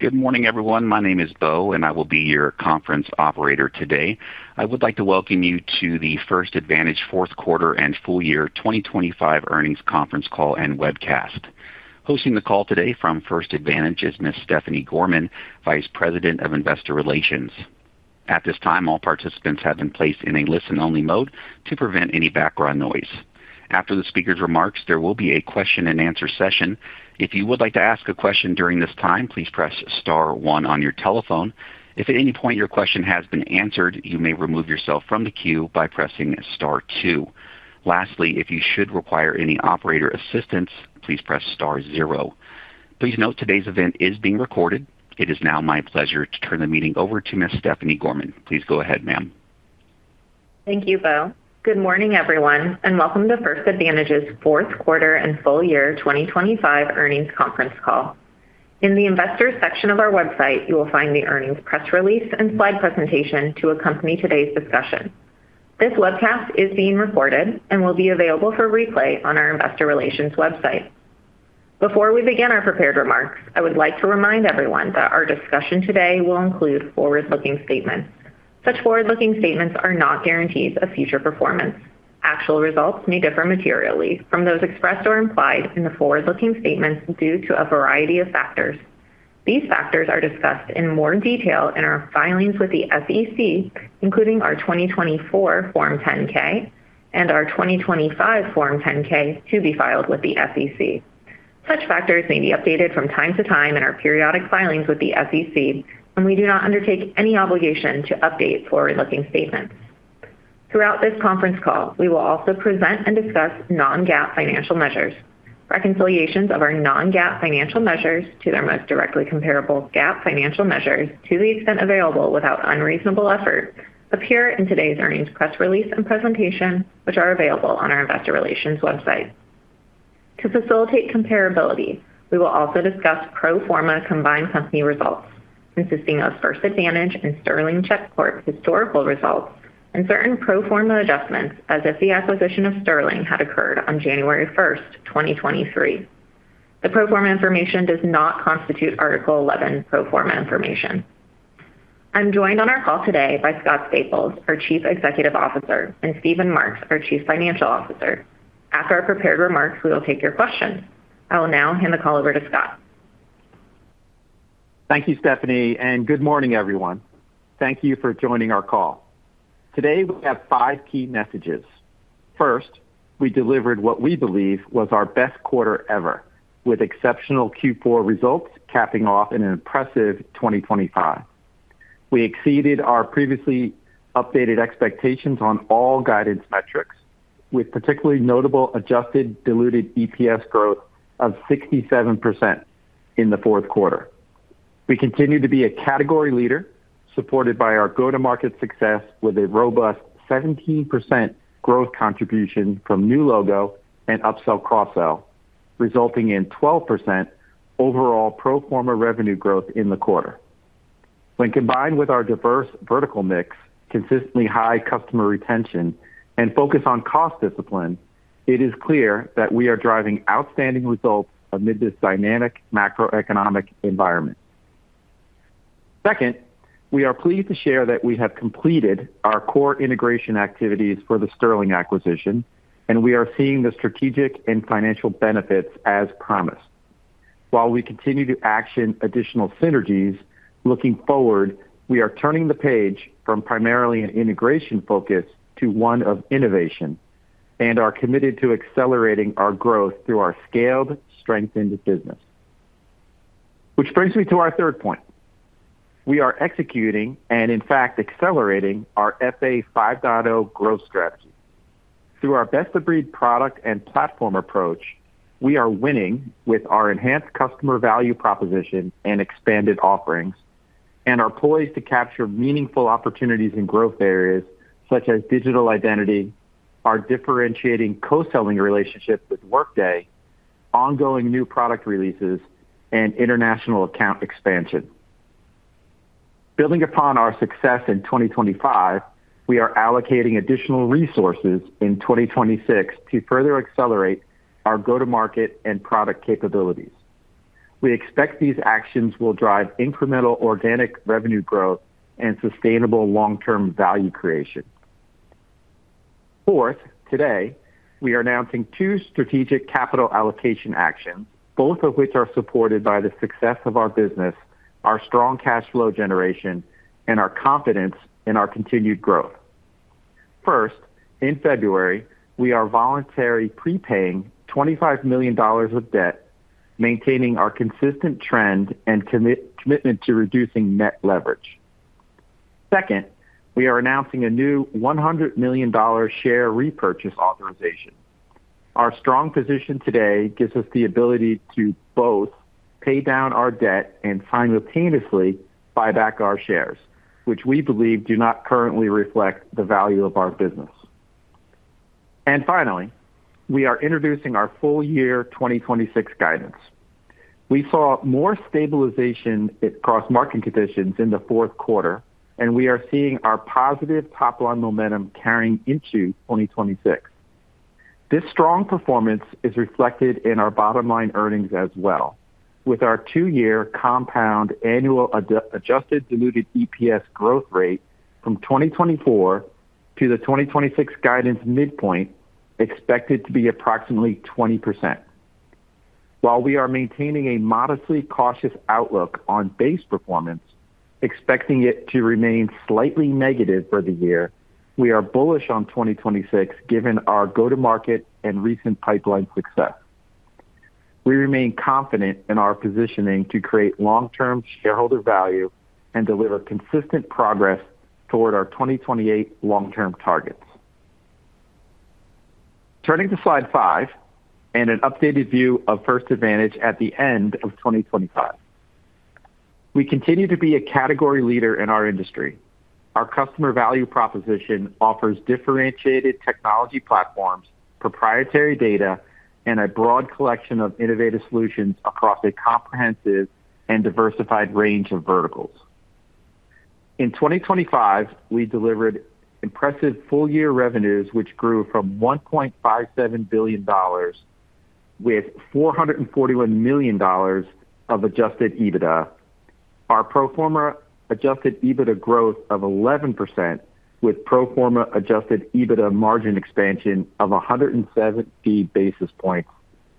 Good morning, everyone. My name is Beau, and I will be your conference operator today. I would like to welcome you to the First Advantage 4th quarter and full year 2025 earnings conference call and webcast. Hosting the call today from First Advantage is Ms. Stephanie Gorman, Vice President of Investor Relations. At this time, all participants have been placed in a listen-only mode to prevent any background noise. After the speaker's remarks, there will be a question-and-answer session. If you would like to ask a question during this time, please press star one on your telephone. If at any point your question has been answered, you may remove yourself from the queue by pressing star two. Lastly, if you should require any operator assistance, please press star zero. Please note today's event is being recorded. It is now my pleasure to turn the meeting over to Ms. Stephanie Gorman. Please go ahead, ma'am. Thank you, Beau. Good morning, everyone. Welcome to First Advantage's fourth quarter and full year 2025 earnings conference call. In the Investors section of our website, you will find the earnings press release and slide presentation to accompany today's discussion. This webcast is being recorded and will be available for replay on our investor relations website. Before we begin our prepared remarks, I would like to remind everyone that our discussion today will include forward-looking statements. Such forward-looking statements are not guarantees of future performance. Actual results may differ materially from those expressed or implied in the forward-looking statements due to a variety of factors. These factors are discussed in more detail in our filings with the SEC, including our 2024 Form 10-K and our 2025 Form 10-K, to be filed with the SEC. Such factors may be updated from time to time in our periodic filings with the SEC, and we do not undertake any obligation to update forward-looking statements. Throughout this conference call, we will also present and discuss non-GAAP financial measures. Reconciliations of our non-GAAP financial measures to their most directly comparable GAAP financial measures, to the extent available without unreasonable effort, appear in today's earnings press release and presentation, which are available on our investor relations website. To facilitate comparability, we will also discuss pro forma combined company results, consisting of First Advantage and Sterling Check Corp.'s historical results and certain pro forma adjustments as if the acquisition of Sterling had occurred on January 1, 2023. The pro forma information does not constitute Article 11 pro forma information. I'm joined on our call today by Scott Staples, our Chief Executive Officer, and Steven Marks, our Chief Financial Officer. After our prepared remarks, we will take your questions. I will now hand the call over to Scott. Thank you, Stephanie, good morning, everyone. Thank you for joining our call. Today, we have five key messages. First, we delivered what we believe was our best quarter ever, with exceptional Q4 results capping off in an impressive 2025. We exceeded our previously updated expectations on all guidance metrics, with particularly notable adjusted diluted EPS growth of 67% in the fourth quarter. We continue to be a category leader, supported by our go-to-market success, with a robust 17% growth contribution from new logo and upsell cross-sell, resulting in 12% overall pro forma revenue growth in the quarter. When combined with our diverse vertical mix, consistently high customer retention, and focus on cost discipline, it is clear that we are driving outstanding results amid this dynamic macroeconomic environment. Second, we are pleased to share that we have completed our core integration activities for the Sterling acquisition, we are seeing the strategic and financial benefits as promised. While we continue to action additional synergies, looking forward, we are turning the page from primarily an integration focus to one of innovation and are committed to accelerating our growth through our scaled, strengthened business. Which brings me to our third point. We are executing and in fact accelerating our FA 5.0 growth strategy. Through our best-of-breed product and platform approach, we are winning with our enhanced customer value proposition and expanded offerings and are poised to capture meaningful opportunities in growth areas such as digital identity, our differentiating co-selling relationships with Workday, ongoing new product releases, and international account expansion. Building upon our success in 2025, we are allocating additional resources in 2026 to further accelerate our go-to-market and product capabilities. We expect these actions will drive incremental organic revenue growth and sustainable long-term value creation. Fourth, today, we are announcing two strategic capital allocation actions, both of which are supported by the success of our business, our strong cash flow generation, and our confidence in our continued growth. First, in February, we are voluntarily prepaying $25 million of debt, maintaining our consistent trend and commitment to reducing net leverage. Second, we are announcing a new $100 million share repurchase authorization. Our strong position today gives us the ability to both pay down our debt and simultaneously buy back our shares, which we believe do not currently reflect the value of our business. Finally, we are introducing our full year 2026 guidance. We saw more stabilization across market conditions in the fourth quarter. We are seeing our positive top-line momentum carrying into 2026. This strong performance is reflected in our bottom line earnings as well, with our two-year compound annual adjusted diluted EPS growth rate from 2024 to the 2026 guidance midpoint, expected to be approximately 20%. While we are maintaining a modestly cautious outlook on base performance, expecting it to remain slightly negative for the year, we are bullish on 2026, given our go-to-market and recent pipeline success. We remain confident in our positioning to create long-term shareholder value and deliver consistent progress toward our 2028 long-term targets. Turning to slide five, an updated view of First Advantage at the end of 2025. We continue to be a category leader in our industry. Our customer value proposition offers differentiated technology platforms, proprietary data, and a broad collection of innovative solutions across a comprehensive and diversified range of verticals. In 2025, we delivered impressive full year revenues, which grew from $1.57 billion, with $441 million of Adjusted EBITDA. Our pro forma Adjusted EBITDA growth of 11%, with pro forma Adjusted EBITDA margin expansion of 170 basis points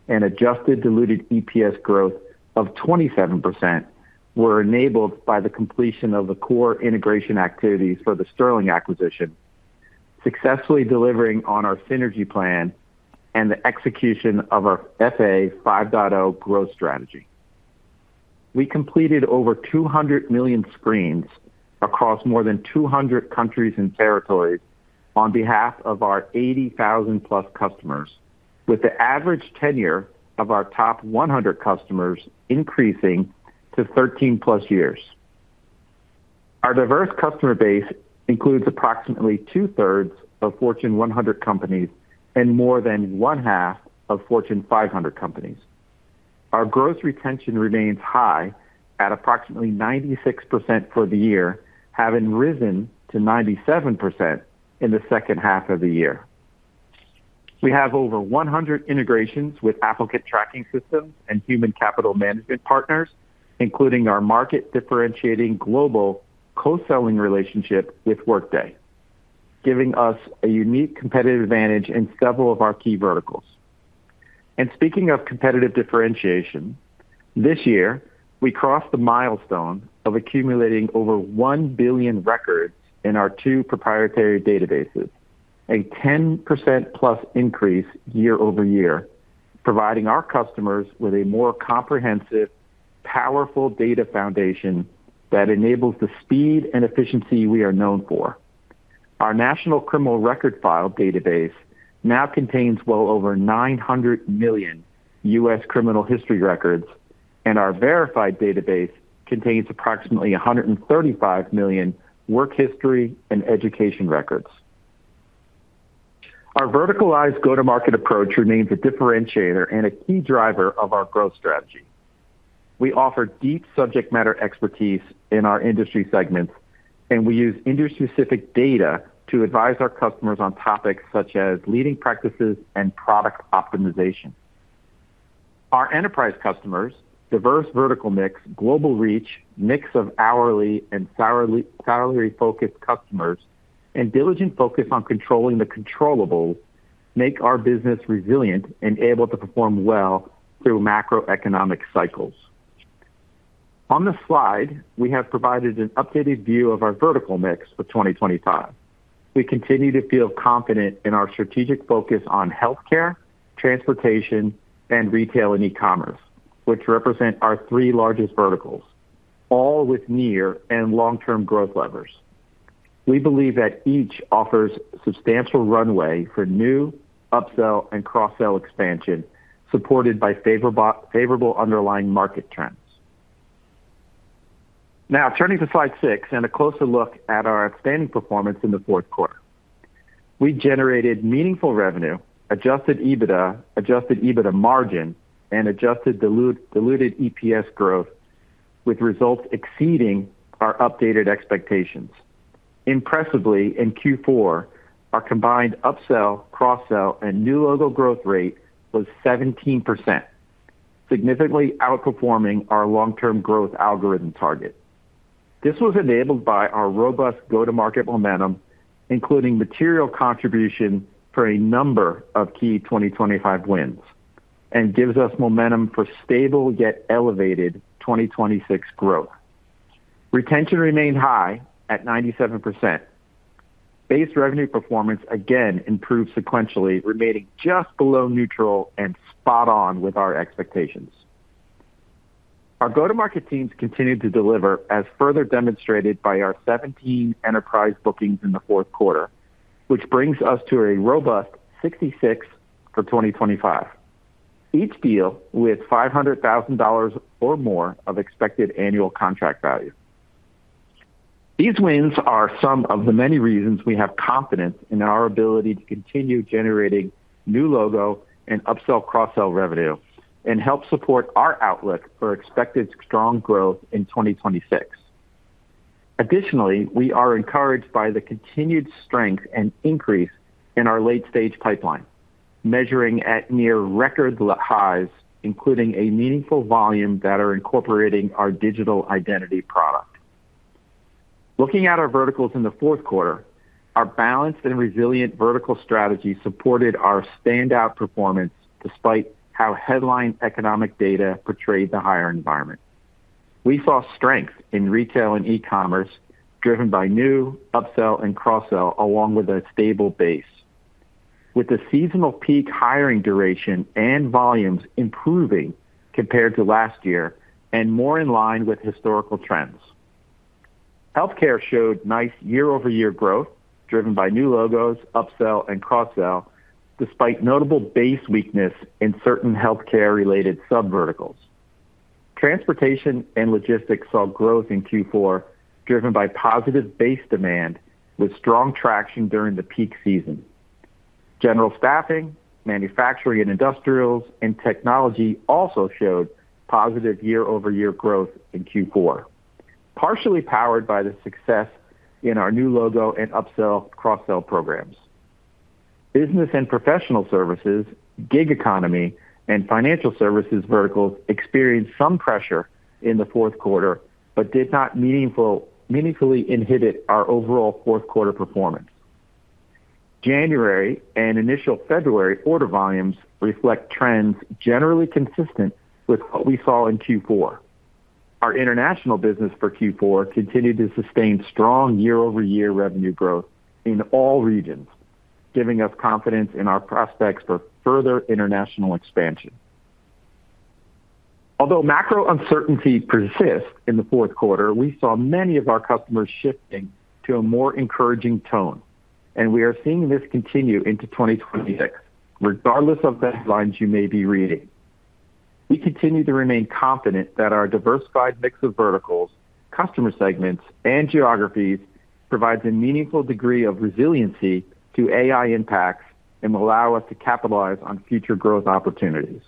and adjusted diluted EPS growth of 27%, were enabled by the completion of the core integration activities for the Sterling acquisition, successfully delivering on our synergy plan and the execution of our FA 5.0 growth strategy. We completed over 200 million screens across more than 200 countries and territories on behalf of our 80,000+ customers, with the average tenure of our top 100 customers increasing to 13+ years. Our diverse customer base includes approximately 2/3 of Fortune 100 companies and more than 1/2 of Fortune 500 companies. Our growth retention remains high at approximately 96% for the year, having risen to 97% in the second half of the year. We have over 100 integrations with applicant tracking systems and human capital management partners, including our market-differentiating global co-selling relationship with Workday, giving us a unique competitive advantage in several of our key verticals. Speaking of competitive differentiation, this year we crossed the milestone of accumulating over 1 billion records in our two proprietary databases, a 10%+ increase year-over-year, providing our customers with a more comprehensive, powerful data foundation that enables the speed and efficiency we are known for. Our national criminal record file database now contains well over 900 million US criminal history records, and our verified database contains approximately 135 million work history and education records. Our verticalized go-to-market approach remains a differentiator and a key driver of our growth strategy. We offer deep subject matter expertise in our industry segments, and we use industry-specific data to advise our customers on topics such as leading practices and product optimization. Our enterprise customers, diverse vertical mix, global reach, mix of hourly and salary-focused customers, and diligent focus on controlling the controllable, make our business resilient and able to perform well through macroeconomic cycles. On this slide, we have provided an updated view of our vertical mix for 2025. We continue to feel confident in our strategic focus on healthcare, transportation, retail and e-commerce, which represent our three largest verticals, all with near and long-term growth levers. We believe that each offers substantial runway for new upsell and cross-sell expansion, supported by favorable underlying market trends. Now, turning to slide six and a closer look at our outstanding performance in the fourth quarter. We generated meaningful revenue, Adjusted EBITDA, Adjusted EBITDA margin, and adjusted diluted EPS growth, with results exceeding our updated expectations. Impressively, in Q4, our combined upsell, cross-sell, and new logo growth rate was 17%, significantly outperforming our long-term growth algorithm target. This was enabled by our robust go-to-market momentum, including material contribution for a number of key 2025 wins, and gives us momentum for stable, yet elevated 2026 growth. Retention remained high at 97%. Base revenue performance again improved sequentially, remaining just below neutral and spot on with our expectations. Our go-to-market teams continued to deliver, as further demonstrated by our 17 enterprise bookings in the fourth quarter, which brings us to a robust 66 for 2025, each deal with $500,000 or more of expected annual contract value. These wins are some of the many reasons we have confidence in our ability to continue generating new logo and upsell, cross-sell revenue, and help support our outlook for expected strong growth in 2026. We are encouraged by the continued strength and increase in our late-stage pipeline, measuring at near record highs, including a meaningful volume that are incorporating our digital identity product. Looking at our verticals in the fourth quarter, our balanced and resilient vertical strategy supported our standout performance despite how headline economic data portrayed the higher environment. We saw strength in retail and e-commerce, driven by new upsell and cross-sell, along with a stable base. With the seasonal peak hiring duration and volumes improving compared to last year and more in line with historical trends. Healthcare showed nice year-over-year growth, driven by new logos, upsell, and cross-sell, despite notable base weakness in certain healthcare-related sub verticals. Transportation and logistics saw growth in Q4, driven by positive base demand with strong traction during the peak season. General staffing, manufacturing and industrials, and technology also showed positive year-over-year growth in Q4, partially powered by the success in our new logo and upsell, cross-sell programs. Business and professional services, gig economy, and financial services verticals experienced some pressure in the fourth quarter, but did not meaningfully inhibit our overall fourth quarter performance. January and initial February order volumes reflect trends generally consistent with what we saw in Q4. Our international business for Q4 continued to sustain strong year-over-year revenue growth in all regions, giving us confidence in our prospects for further international expansion. Although macro uncertainty persists in the fourth quarter, we saw many of our customers shifting to a more encouraging tone, and we are seeing this continue into 2026, regardless of the headlines you may be reading. We continue to remain confident that our diversified mix of verticals, customer segments, and geographies provides a meaningful degree of resiliency to AI impacts and will allow us to capitalize on future growth opportunities.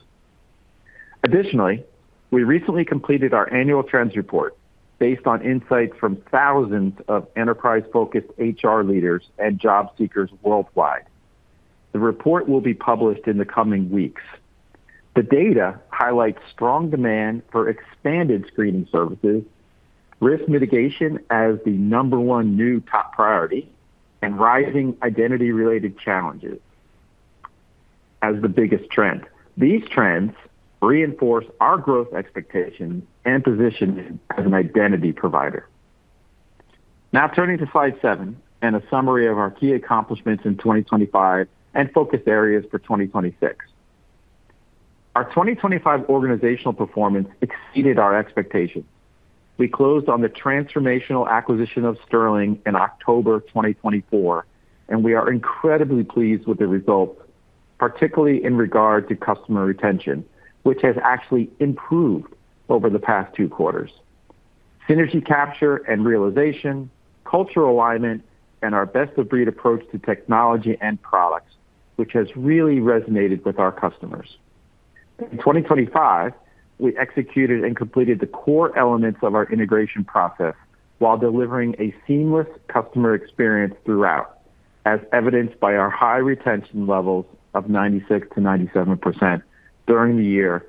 Additionally, we recently completed our annual trends report based on insights from thousands of enterprise-focused HR leaders and job seekers worldwide. The report will be published in the coming weeks. The data highlights strong demand for expanded screening services, risk mitigation as the number one new top priority, and rising identity-related challenges as the biggest trend. These trends reinforce our growth expectations and positioning as an identity provider. Turning to slide seven and a summary of our key accomplishments in 2025 and focus areas for 2026. Our 2025 organizational performance exceeded our expectations. We closed on the transformational acquisition of Sterling in October 2024, and we are incredibly pleased with the results, particularly in regard to customer retention, which has actually improved over the past two quarters. Synergy capture and realization, cultural alignment, and our best-of-breed approach to technology and products, which has really resonated with our customers. In 2025, we executed and completed the core elements of our integration process while delivering a seamless customer experience throughout, as evidenced by our high retention levels of 96%-97% during the year,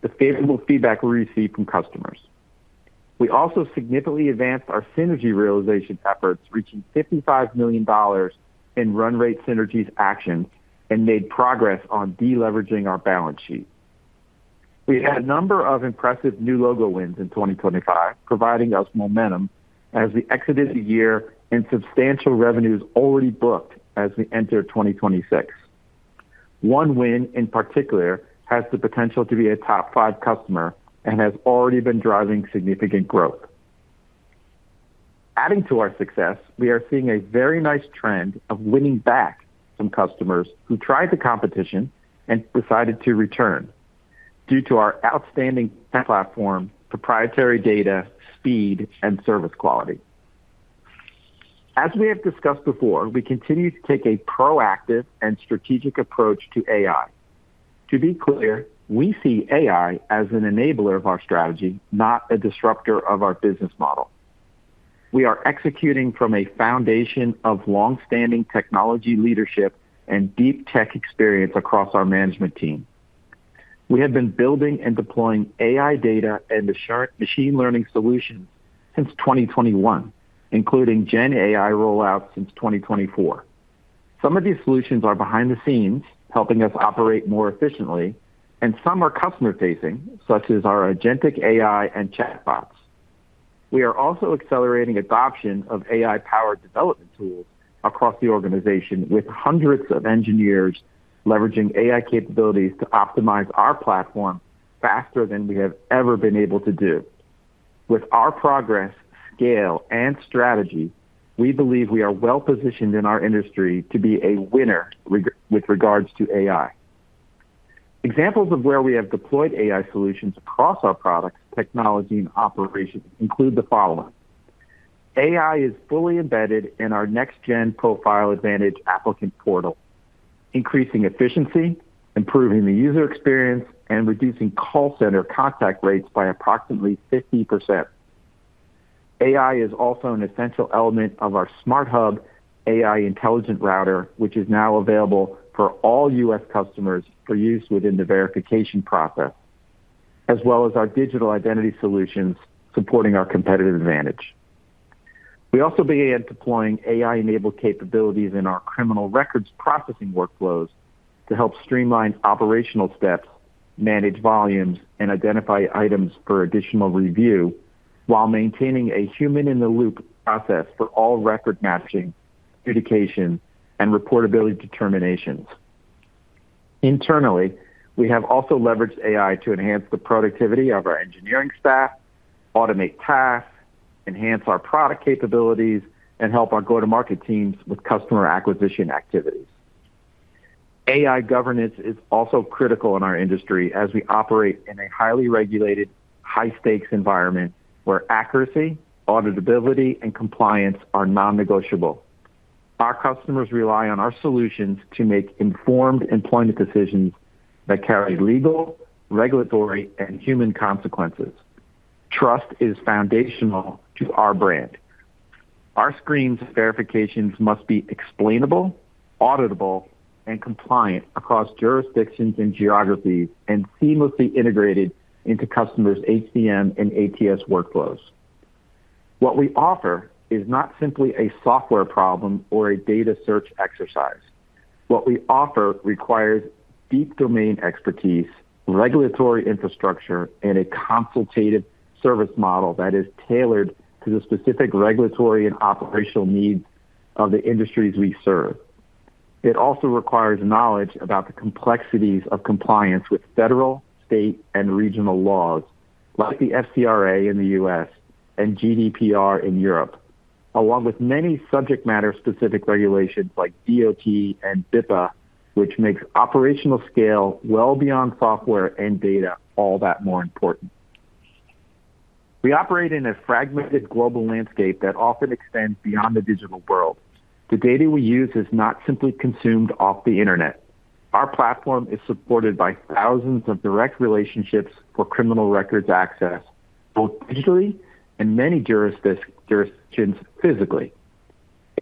the favorable feedback we received from customers. We also significantly advanced our synergy realization efforts, reaching $55 million in run rate synergies actions, and made progress on deleveraging our balance sheet. We had a number of impressive new logo wins in 2025, providing us momentum as we exited the year and substantial revenues already booked as we enter 2026. One win, in particular, has the potential to be a top five customer and has already been driving significant growth. Adding to our success, we are seeing a very nice trend of winning back some customers who tried the competition and decided to return due to our outstanding platform, proprietary data, speed, and service quality. As we have discussed before, we continue to take a proactive and strategic approach to AI. To be clear, we see AI as an enabler of our strategy, not a disruptor of our business model. We are executing from a foundation of long-standing technology leadership and deep tech experience across our management team. We have been building and deploying AI data and machine learning solutions since 2021, including Gen AI rollout since 2024. Some of these solutions are behind the scenes, helping us operate more efficiently, and some are customer-facing, such as our agentic AI and chatbots. We are also accelerating adoption of AI-powered development tools across the organization, with hundreds of engineers leveraging AI capabilities to optimize our platform faster than we have ever been able to do. With our progress, scale, and strategy, we believe we are well positioned in our industry to be a winner with regards to AI. Examples of where we have deployed AI solutions across our products, technology, and operations include the following: AI is fully embedded in our Next-Gen Profile Advantage applicant portal. Increasing efficiency, improving the user experience, and reducing call center contact rates by approximately 50%. AI is also an essential element of our SmartHub AI intelligent router, which is now available for all US customers for use within the verification process, as well as our digital identity solutions supporting our competitive advantage. We also began deploying AI-enabled capabilities in our criminal records processing workflows to help streamline operational steps, manage volumes, and identify items for additional review, while maintaining a human-in-the-loop process for all record matching, dedication, and reportability determinations. Internally, we have also leveraged AI to enhance the productivity of our engineering staff, automate tasks, enhance our product capabilities, and help our go-to-market teams with customer acquisition activities. AI governance is also critical in our industry as we operate in a highly regulated, high-stakes environment, where accuracy, auditability, and compliance are non-negotiable. Our customers rely on our solutions to make informed employment decisions that carry legal, regulatory, and human consequences. Trust is foundational to our brand. Our screens verifications must be explainable, auditable, and compliant across jurisdictions and geographies, and seamlessly integrated into customers' HCM and ATS workflows. What we offer is not simply a software problem or a data search exercise. What we offer requires deep domain expertise, regulatory infrastructure, and a consultative service model that is tailored to the specific regulatory and operational needs of the industries we serve. It also requires knowledge about the complexities of compliance with federal, state, and regional laws, like the FCRA in the US and GDPR in Europe, along with many subject matter-specific regulations like DOT and BIPA, which makes operational scale well beyond software and data all that more important. We operate in a fragmented global landscape that often extends beyond the digital world. The data we use is not simply consumed off the internet. Our platform is supported by thousands of direct relationships for criminal records access, both digitally and many jurisdictions physically.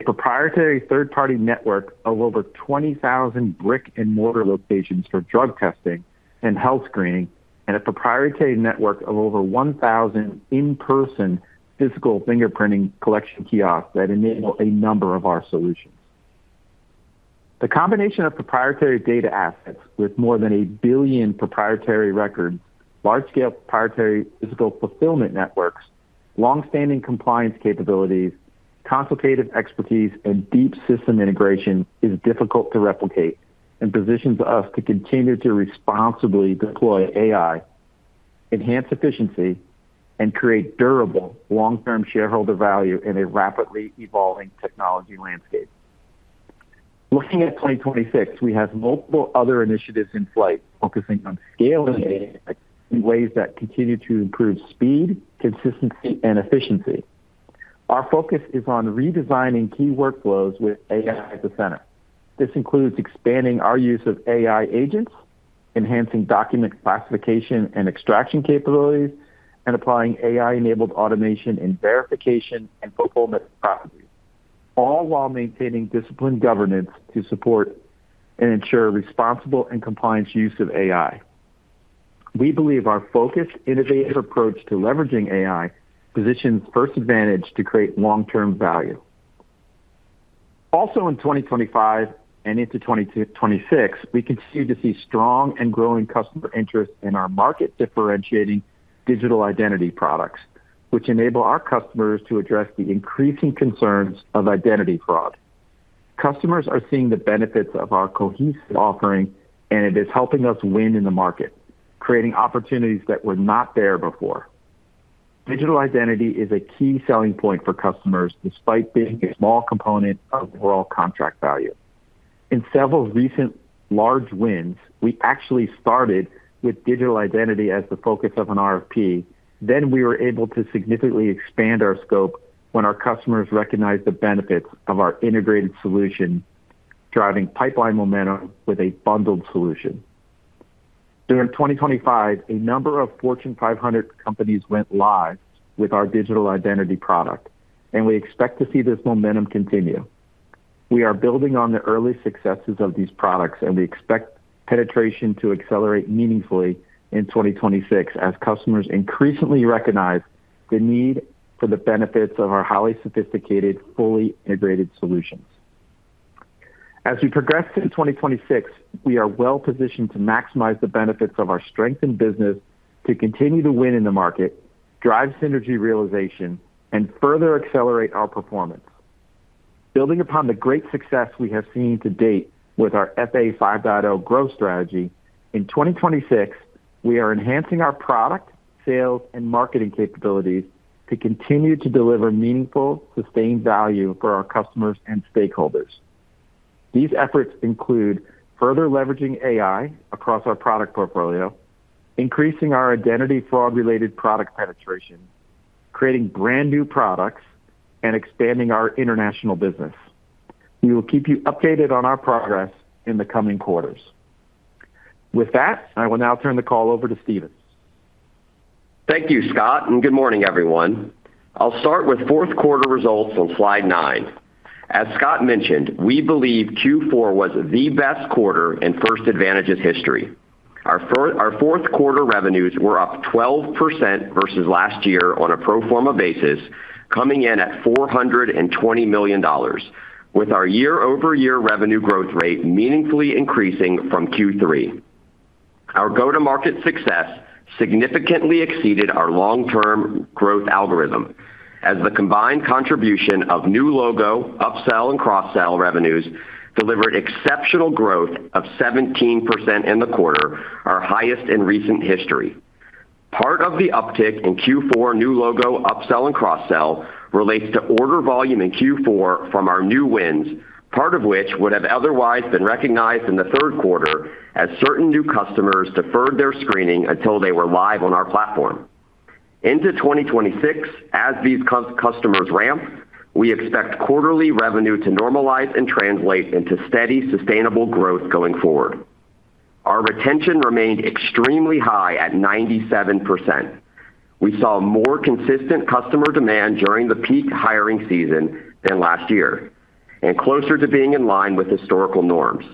A proprietary third-party network of over 20,000 brick-and-mortar locations for drug testing and health screening, and a proprietary network of over 1,000 in-person physical fingerprinting collection kiosks that enable a number of our solutions. The combination of proprietary data assets with more than 1 billion proprietary records, large-scale proprietary physical fulfillment networks, long-standing compliance capabilities, consultative expertise, and deep system integration is difficult to replicate and positions us to continue to responsibly deploy AI, enhance efficiency, and create durable, long-term shareholder value in a rapidly evolving technology landscape. Looking at 2026, we have multiple other initiatives in flight, focusing on scaling AI in ways that continue to improve speed, consistency, and efficiency. Our focus is on redesigning key workflows with AI at the center. This includes expanding our use of AI agents, enhancing document classification and extraction capabilities, and applying AI-enabled automation and verification and fulfillment processes, all while maintaining disciplined governance to support and ensure responsible and compliance use of AI. We believe our focused, innovative approach to leveraging AI positions First Advantage to create long-term value. In 2025 and into 2026, we continue to see strong and growing customer interest in our market-differentiating digital identity products, which enable our customers to address the increasing concerns of identity fraud. Customers are seeing the benefits of our cohesive offering, it is helping us win in the market, creating opportunities that were not there before. Digital identity is a key selling point for customers, despite being a small component of the overall contract value. In several recent large wins, we actually started with digital identity as the focus of an RFP. We were able to significantly expand our scope when our customers recognized the benefits of our integrated solution, driving pipeline momentum with a bundled solution. During 2025, a number of Fortune 500 companies went live with our digital identity product, and we expect to see this momentum continue. We are building on the early successes of these products, and we expect penetration to accelerate meaningfully in 2026 as customers increasingly recognize the need for the benefits of our highly sophisticated, fully integrated solutions. As we progress to 2026, we are well positioned to maximize the benefits of our strengthened business to continue to win in the market, drive synergy realization, and further accelerate our performance. Building upon the great success we have seen to date with our FA 5.0 growth strategy, in 2026, we are enhancing our product, sales, and marketing capabilities to continue to deliver meaningful, sustained value for our customers and stakeholders. These efforts include further leveraging AI across our product portfolio, increasing our identity fraud-related product penetration. creating brand new products and expanding our international business. We will keep you updated on our progress in the coming quarters. With that, I will now turn the call over to Steven. Thank you, Scott. Good morning, everyone. I'll start with fourth quarter results on slide nine. As Scott mentioned, we believe Q4 was the best quarter in First Advantage's history. Our fourth quarter revenues were up 12% versus last year on a pro forma basis, coming in at $420 million, with our year-over-year revenue growth rate meaningfully increasing from Q3. Our go-to-market success significantly exceeded our long-term growth algorithm, as the combined contribution of new logo, upsell, and cross-sell revenues delivered exceptional growth of 17% in the quarter, our highest in recent history. Part of the uptick in Q4 new logo, upsell, and cross-sell relates to order volume in Q4 from our new wins, part of which would have otherwise been recognized in the third quarter as certain new customers deferred their screening until they were live on our platform. Into 2026, as these customers ramp, we expect quarterly revenue to normalize and translate into steady, sustainable growth going forward. Our retention remained extremely high at 97%. We saw more consistent customer demand during the peak hiring season than last year, and closer to being in line with historical norms.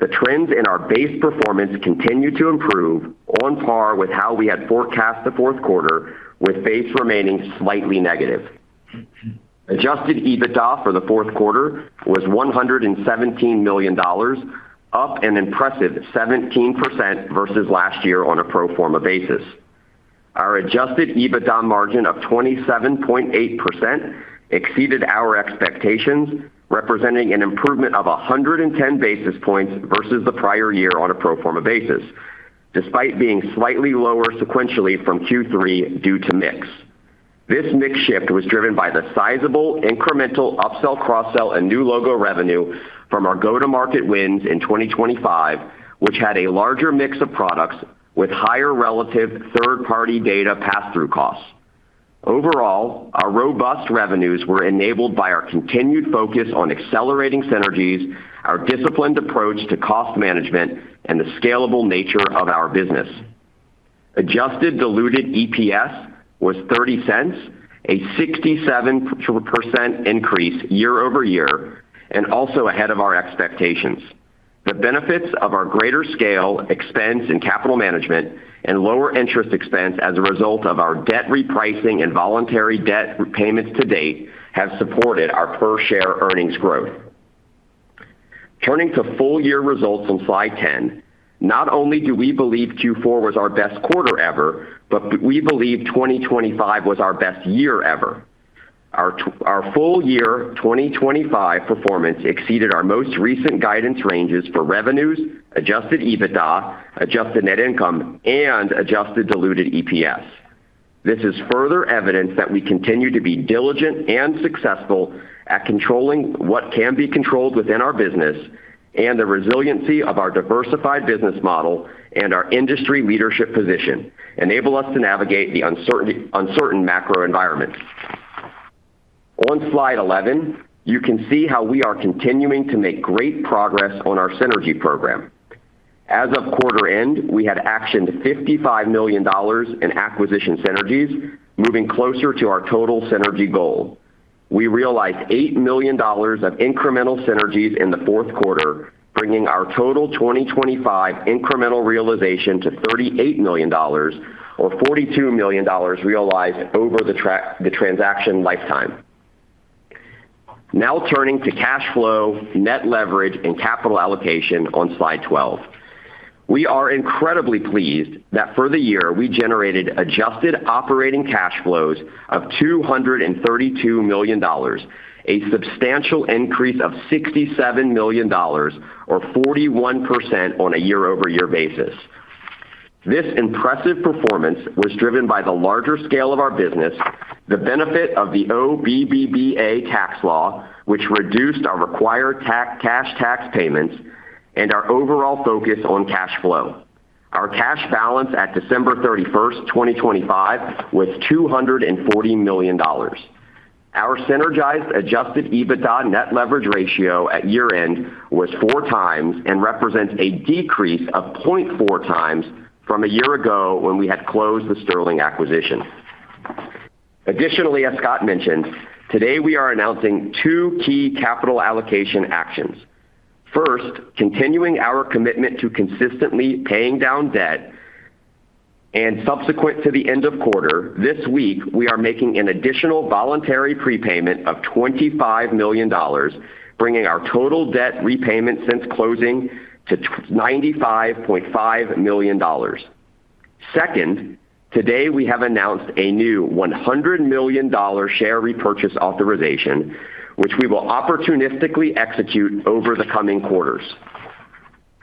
The trends in our base performance continued to improve on par with how we had forecast the fourth quarter, with base remaining slightly negative. Adjusted EBITDA for the fourth quarter was $117 million, up an impressive 17% versus last year on a pro forma basis. Our Adjusted EBITDA margin of 27.8% exceeded our expectations, representing an improvement of 110 basis points versus the prior year on a pro forma basis, despite being slightly lower sequentially from Q3 due to mix. This mix shift was driven by the sizable incremental upsell, cross-sell, and new logo revenue from our go-to-market wins in 2025, which had a larger mix of products with higher relative third-party data pass-through costs. Overall, our robust revenues were enabled by our continued focus on accelerating synergies, our disciplined approach to cost management, and the scalable nature of our business. Adjusted diluted EPS was $0.30, a 67% increase year-over-year, and also ahead of our expectations. The benefits of our greater scale, expense, and capital management and lower interest expense as a result of our debt repricing and voluntary debt repayments to date have supported our per-share earnings growth. Turning to full-year results on slide 10, not only do we believe Q4 was our best quarter ever, but we believe 2025 was our best year ever. Our full year 2025 performance exceeded our most recent guidance ranges for revenues, Adjusted EBITDA, adjusted net income, and adjusted diluted EPS. This is further evidence that we continue to be diligent and successful at controlling what can be controlled within our business. The resiliency of our diversified business model and our industry leadership position enable us to navigate the uncertain macro environment. On slide 11, you can see how we are continuing to make great progress on our synergy program. As of quarter end, we had actioned $55 million in acquisition synergies, moving closer to our total synergy goal. We realized $8 million of incremental synergies in the fourth quarter, bringing our total 2025 incremental realization to $38 million, or $42 million realized over the transaction lifetime. Turning to cash flow, net leverage, and capital allocation on slide 12. We are incredibly pleased that for the year, we generated adjusted operating cash flows of $232 million, a substantial increase of $67 million or 41% on a year-over-year basis. This impressive performance was driven by the larger scale of our business, the benefit of the OBBBA tax law, which reduced our required cash tax payments, and our overall focus on cash flow. Our cash balance at December 31, 2025, was $240 million. Our synergized Adjusted EBITDA net leverage ratio at year-end was four times and represents a decrease of 0.4x from a year ago when we had closed the Sterling acquisition. As Scott mentioned, today we are announcing two key capital allocation actions. Continuing our commitment to consistently paying down debt, subsequent to the end of quarter, this week, we are making an additional voluntary prepayment of $25 million, bringing our total debt repayment since closing to $95.5 million. Today, we have announced a new $100 million share repurchase authorization, which we will opportunistically execute over the coming quarters.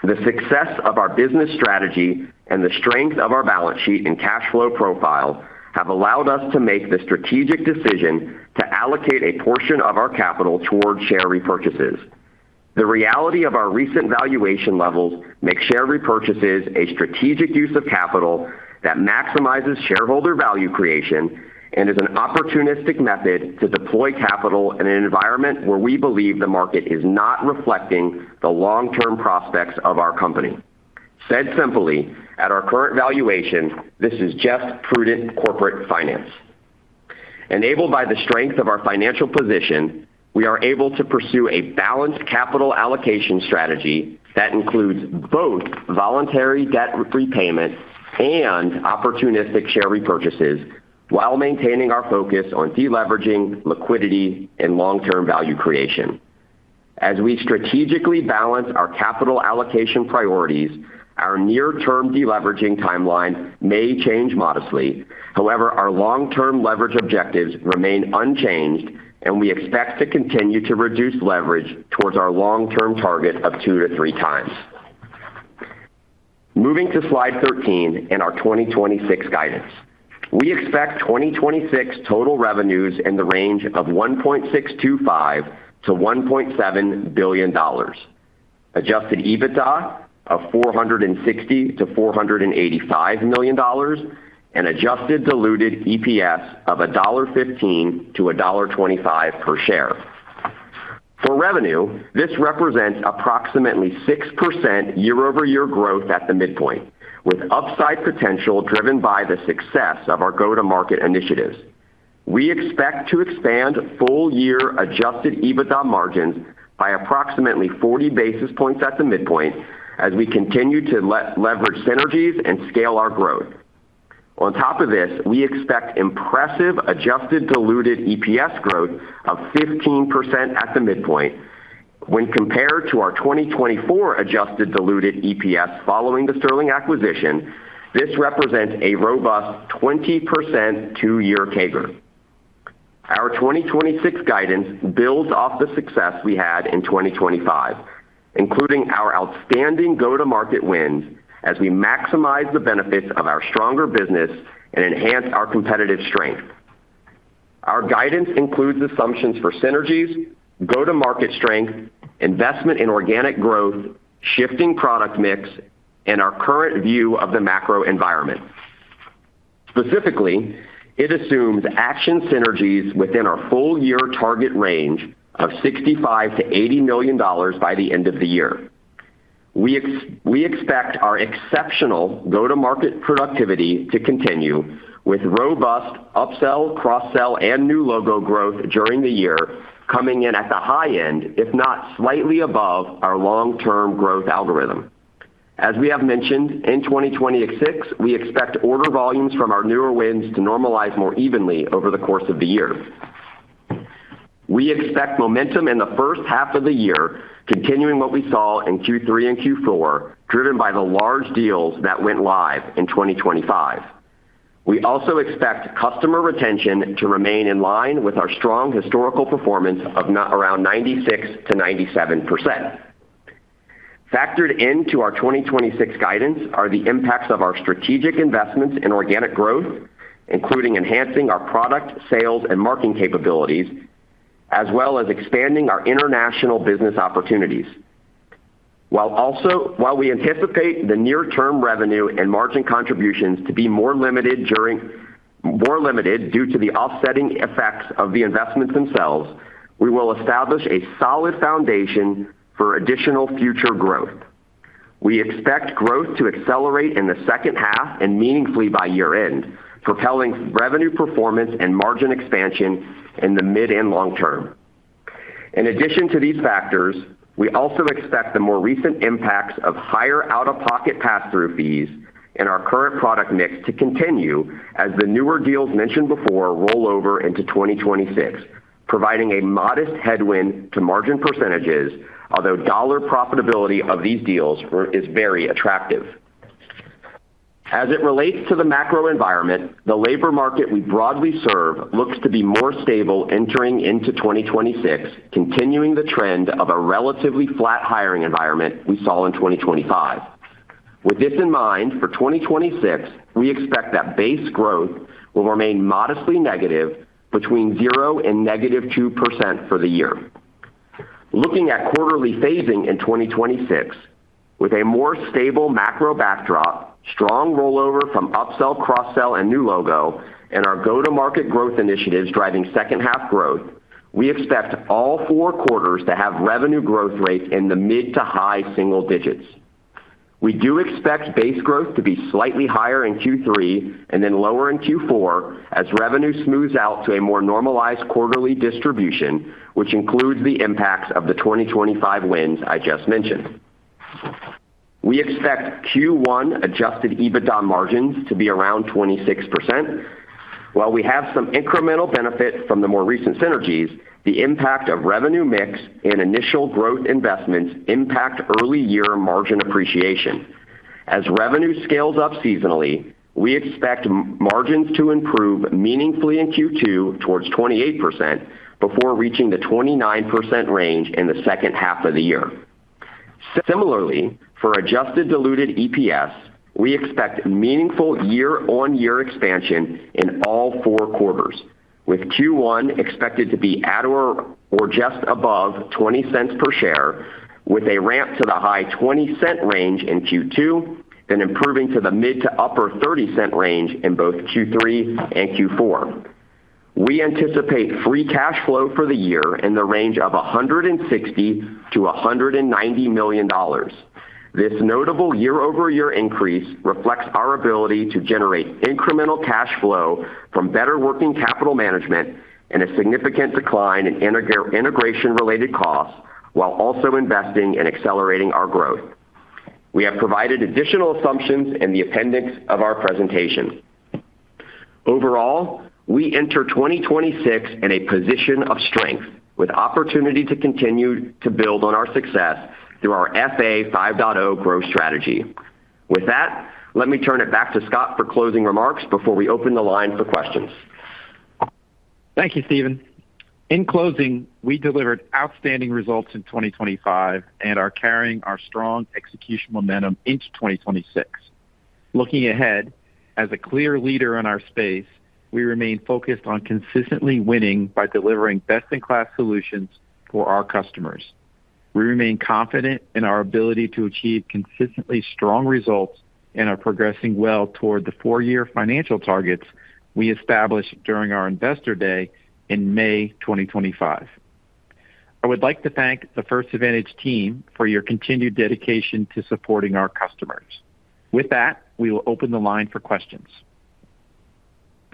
The success of our business strategy and the strength of our balance sheet and cash flow profile have allowed us to make the strategic decision to allocate a portion of our capital toward share repurchases. The reality of our recent valuation levels makes share repurchases a strategic use of capital that maximizes shareholder value creation and is an opportunistic method to deploy capital in an environment where we believe the market is not reflecting the long-term prospects of our company. Said simply, at our current valuation, this is just prudent corporate finance. Enabled by the strength of our financial position, we are able to pursue a balanced capital allocation strategy that includes both voluntary debt repayment and opportunistic share repurchases, while maintaining our focus on deleveraging liquidity and long-term value creation. As we strategically balance our capital allocation priorities, our near-term deleveraging timeline may change modestly. However, our long-term leverage objectives remain unchanged, and we expect to continue to reduce leverage towards our long-term target of 2x-3x. Moving to Slide 13 and our 2026 guidance. We expect 2026 total revenues in the range of $1.625 billion-$1.7 billion, Adjusted EBITDA of $460 million-$485 million, and adjusted diluted EPS of $1.15-$1.25 per share. For revenue, this represents approximately 6% year-over-year growth at the midpoint, with upside potential driven by the success of our go-to-market initiatives. We expect to expand full-year Adjusted EBITDA margins by approximately 40 basis points at the midpoint, as we continue to leverage synergies and scale our growth. On top of this, we expect impressive adjusted diluted EPS growth of 15% at the midpoint. When compared to our 2024 adjusted diluted EPS following the Sterling acquisition, this represents a robust 20% two-year CAGR. Our 2026 guidance builds off the success we had in 2025, including our outstanding go-to-market wins, as we maximize the benefits of our stronger business and enhance our competitive strength. Our guidance includes assumptions for synergies, go-to-market strength, investment in organic growth, shifting product mix, and our current view of the macro environment. Specifically, it assumes action synergies within our full year target range of $65 million-$80 million by the end of the year. We expect our exceptional go-to-market productivity to continue, with robust upsell, cross-sell, and new logo growth during the year, coming in at the high end, if not slightly above our long-term growth algorithm. As we have mentioned, in 2026, we expect order volumes from our newer wins to normalize more evenly over the course of the year. We expect momentum in the first half of the year, continuing what we saw in Q3 and Q4, driven by the large deals that went live in 2025. We also expect customer retention to remain in line with our strong historical performance of around 96%-97%. Factored into our 2026 guidance are the impacts of our strategic investments in organic growth, including enhancing our product, sales, and marketing capabilities, as well as expanding our international business opportunities. While we anticipate the near-term revenue and margin contributions to be more limited due to the offsetting effects of the investments themselves, we will establish a solid foundation for additional future growth. We expect growth to accelerate in the second half and meaningfully by year-end, propelling revenue performance and margin expansion in the mid and long term. In addition to these factors, we also expect the more recent impacts of higher out-of-pocket passthrough fees and our current product mix to continue as the newer deals mentioned before roll over into 2026, providing a modest headwind to margin percentages, although dollar profitability of these deals is very attractive. As it relates to the macro environment, the labor market we broadly serve looks to be more stable entering into 2026, continuing the trend of a relatively flat hiring environment we saw in 2025. With this in mind, for 2026, we expect that base growth will remain modestly negative, between 0% and -2% for the year. Looking at quarterly phasing in 2026, with a more stable macro backdrop, strong rollover from upsell, cross-sell, and new logo, and our go-to-market growth initiatives driving second half growth, we expect all four quarters to have revenue growth rates in the mid-to-high single digits. We do expect base growth to be slightly higher in Q3 and then lower in Q4 as revenue smooths out to a more normalized quarterly distribution, which includes the impacts of the 2025 wins I just mentioned. We expect Q1 Adjusted EBITDA margins to be around 26%. While we have some incremental benefit from the more recent synergies, the impact of revenue mix and initial growth investments impact early year margin appreciation. As revenue scales up seasonally, we expect margins to improve meaningfully in Q2 towards 28% before reaching the 29% range in the second half of the year. Similarly, for adjusted diluted EPS, we expect meaningful year-on-year expansion in all four quarters, with Q1 expected to be at or just above $0.20 per share, with a ramp to the high $0.20 range in Q2, then improving to the mid to upper $0.30 range in both Q3 and Q4. We anticipate free cash flow for the year in the range of $160 million-$190 million. This notable year-over-year increase reflects our ability to generate incremental cash flow from better working capital management and a significant decline in inter- integration related costs, while also investing in accelerating our growth. We have provided additional assumptions in the appendix of our presentation. Overall, we enter 2026 in a position of strength, with opportunity to continue to build on our success through our FA 5.0 growth strategy. With that, let me turn it back to Scott for closing remarks before we open the line for questions. Thank you, Steven. In closing, we delivered outstanding results in 2025 and are carrying our strong execution momentum into 2026. Looking ahead, as a clear leader in our space, we remain focused on consistently winning by delivering best-in-class solutions for our customers. We remain confident in our ability to achieve consistently strong results and are progressing well toward the four-year financial targets we established during our Investor Day in May 2025. I would like to thank the First Advantage team for your continued dedication to supporting our customers. With that, we will open the line for questions.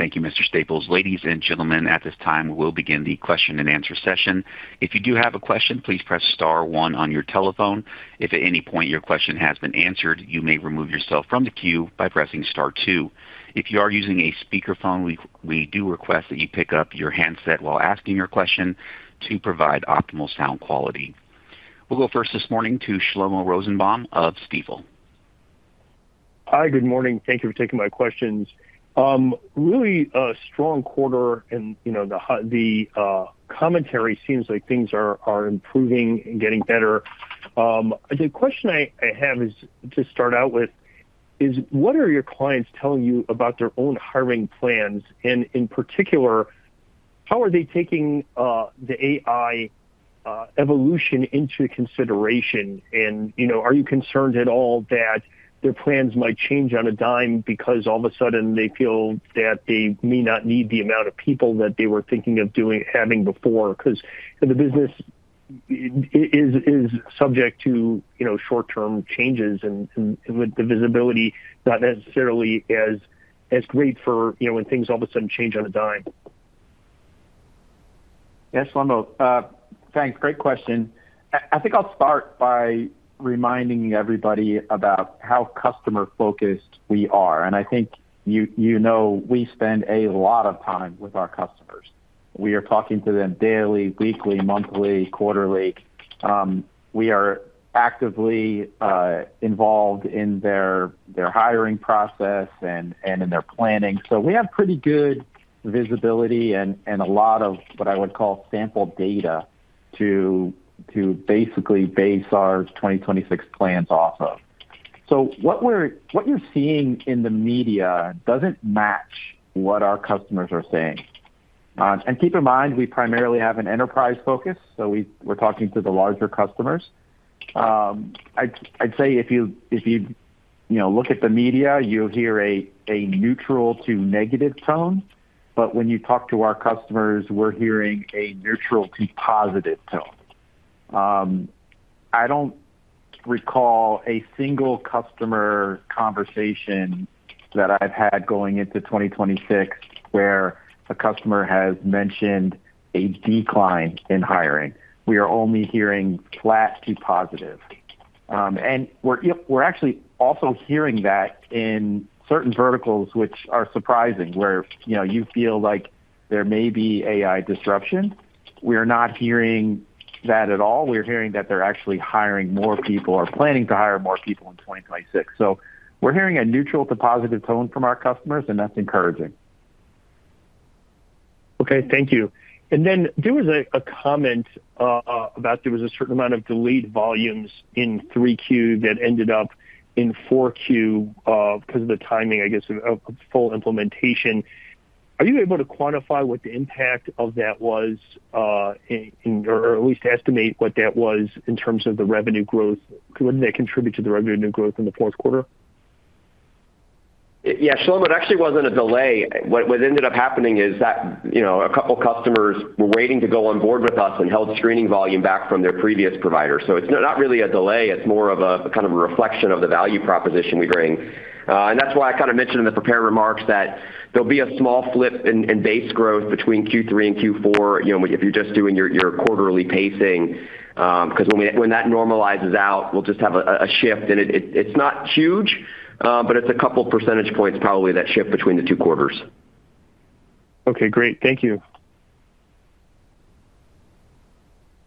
Thank you, Mr. Staples. Ladies and gentlemen, at this time, we will begin the question-and-answer session. If you do have a question, please press star one on your telephone. If at any point your question has been answered, you may remove yourself from the queue by pressing star two. If you are using a speakerphone, we do request that you pick up your handset while asking your question to provide optimal sound quality. We'll go first this morning to Shlomo Rosenbaum of Stifel. Hi, good morning. Thank you for taking my questions. Really a strong quarter and, you know, the commentary seems like things are improving and getting better. The question I have is to start out with is, what are your clients telling you about their own hiring plans? In particular, how are they taking the AI evolution into consideration? You know, are you concerned at all that their plans might change on a dime because all of a sudden they feel that they may not need the amount of people that they were thinking of having before? 'Cause the business is subject to, you know, short-term changes and with the visibility not necessarily as great for, you know, when things all of a sudden change on a dime. Shlomo, thanks. Great question. I think I'll start by reminding everybody about how customer focused we are, and I think you know, we spend a lot of time with our customers. We are talking to them daily, weekly, monthly, quarterly. We are actively involved in their hiring process and in their planning. We have pretty good visibility and a lot of what I would call sample data to basically base our 2026 plans off of. What you're seeing in the media doesn't match what our customers are saying. Keep in mind, we primarily have an enterprise focus, so we're talking to the larger customers. I'd say if you know, look at the media, you'll hear a neutral to negative tone, but when you talk to our customers, we're hearing a neutral to positive tone. I don't recall a single customer conversation that I've had going into 2026, where a customer has mentioned a decline in hiring. We are only hearing flat to positive. We're actually also hearing that in certain verticals, which are surprising, where, you know, you feel like there may be AI disruption. We're not hearing that at all. We're hearing that they're actually hiring more people or planning to hire more people in 2026. We're hearing a neutral to positive tone from our customers, and that's encouraging. Okay, thank you. There was a comment about there was a certain amount of delayed volumes in 3Q that ended up in 4Q, 'cause of the timing, I guess, of full implementation. Are you able to quantify what the impact of that was in, or at least estimate what that was in terms of the revenue growth? What did they contribute to the revenue growth in the fourth quarter? Yeah, Shlomo, it actually wasn't a delay. What ended up happening is that, you know, a couple of customers were waiting to go on board with us and held screening volume back from their previous provider. It's not really a delay, it's more of a kind of a reflection of the value proposition we bring. That's why I kind of mentioned in the prepared remarks that there'll be a small flip in base growth between Q3 and Q4, you know, if you're just doing your quarterly pacing, 'cause when that normalizes out, we'll just have a shift. It's not huge, but it's a couple percentage points probably that shift between the two quarters. Okay, great. Thank you.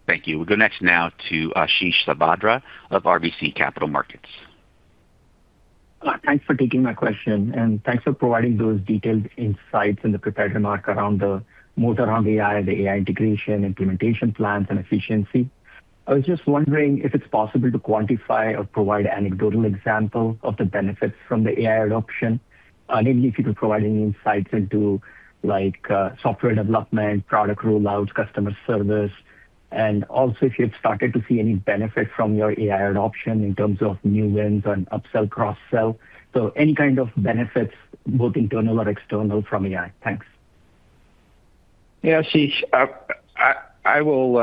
Thank you. We'll go next now to Ashish Sabadra of RBC Capital Markets. Thanks for taking my question, thanks for providing those detailed insights in the prepared remark around the move around AI, the AI integration, implementation plans, and efficiency. I was just wondering if it's possible to quantify or provide anecdotal example of the benefits from the AI adoption, and maybe if you could provide any insights into, like, software development, product rollouts, customer service, and also if you've started to see any benefit from your AI adoption in terms of new wins on upsell, cross-sell? Any kind of benefits, both internal or external, from AI. Thanks. Ashish, I will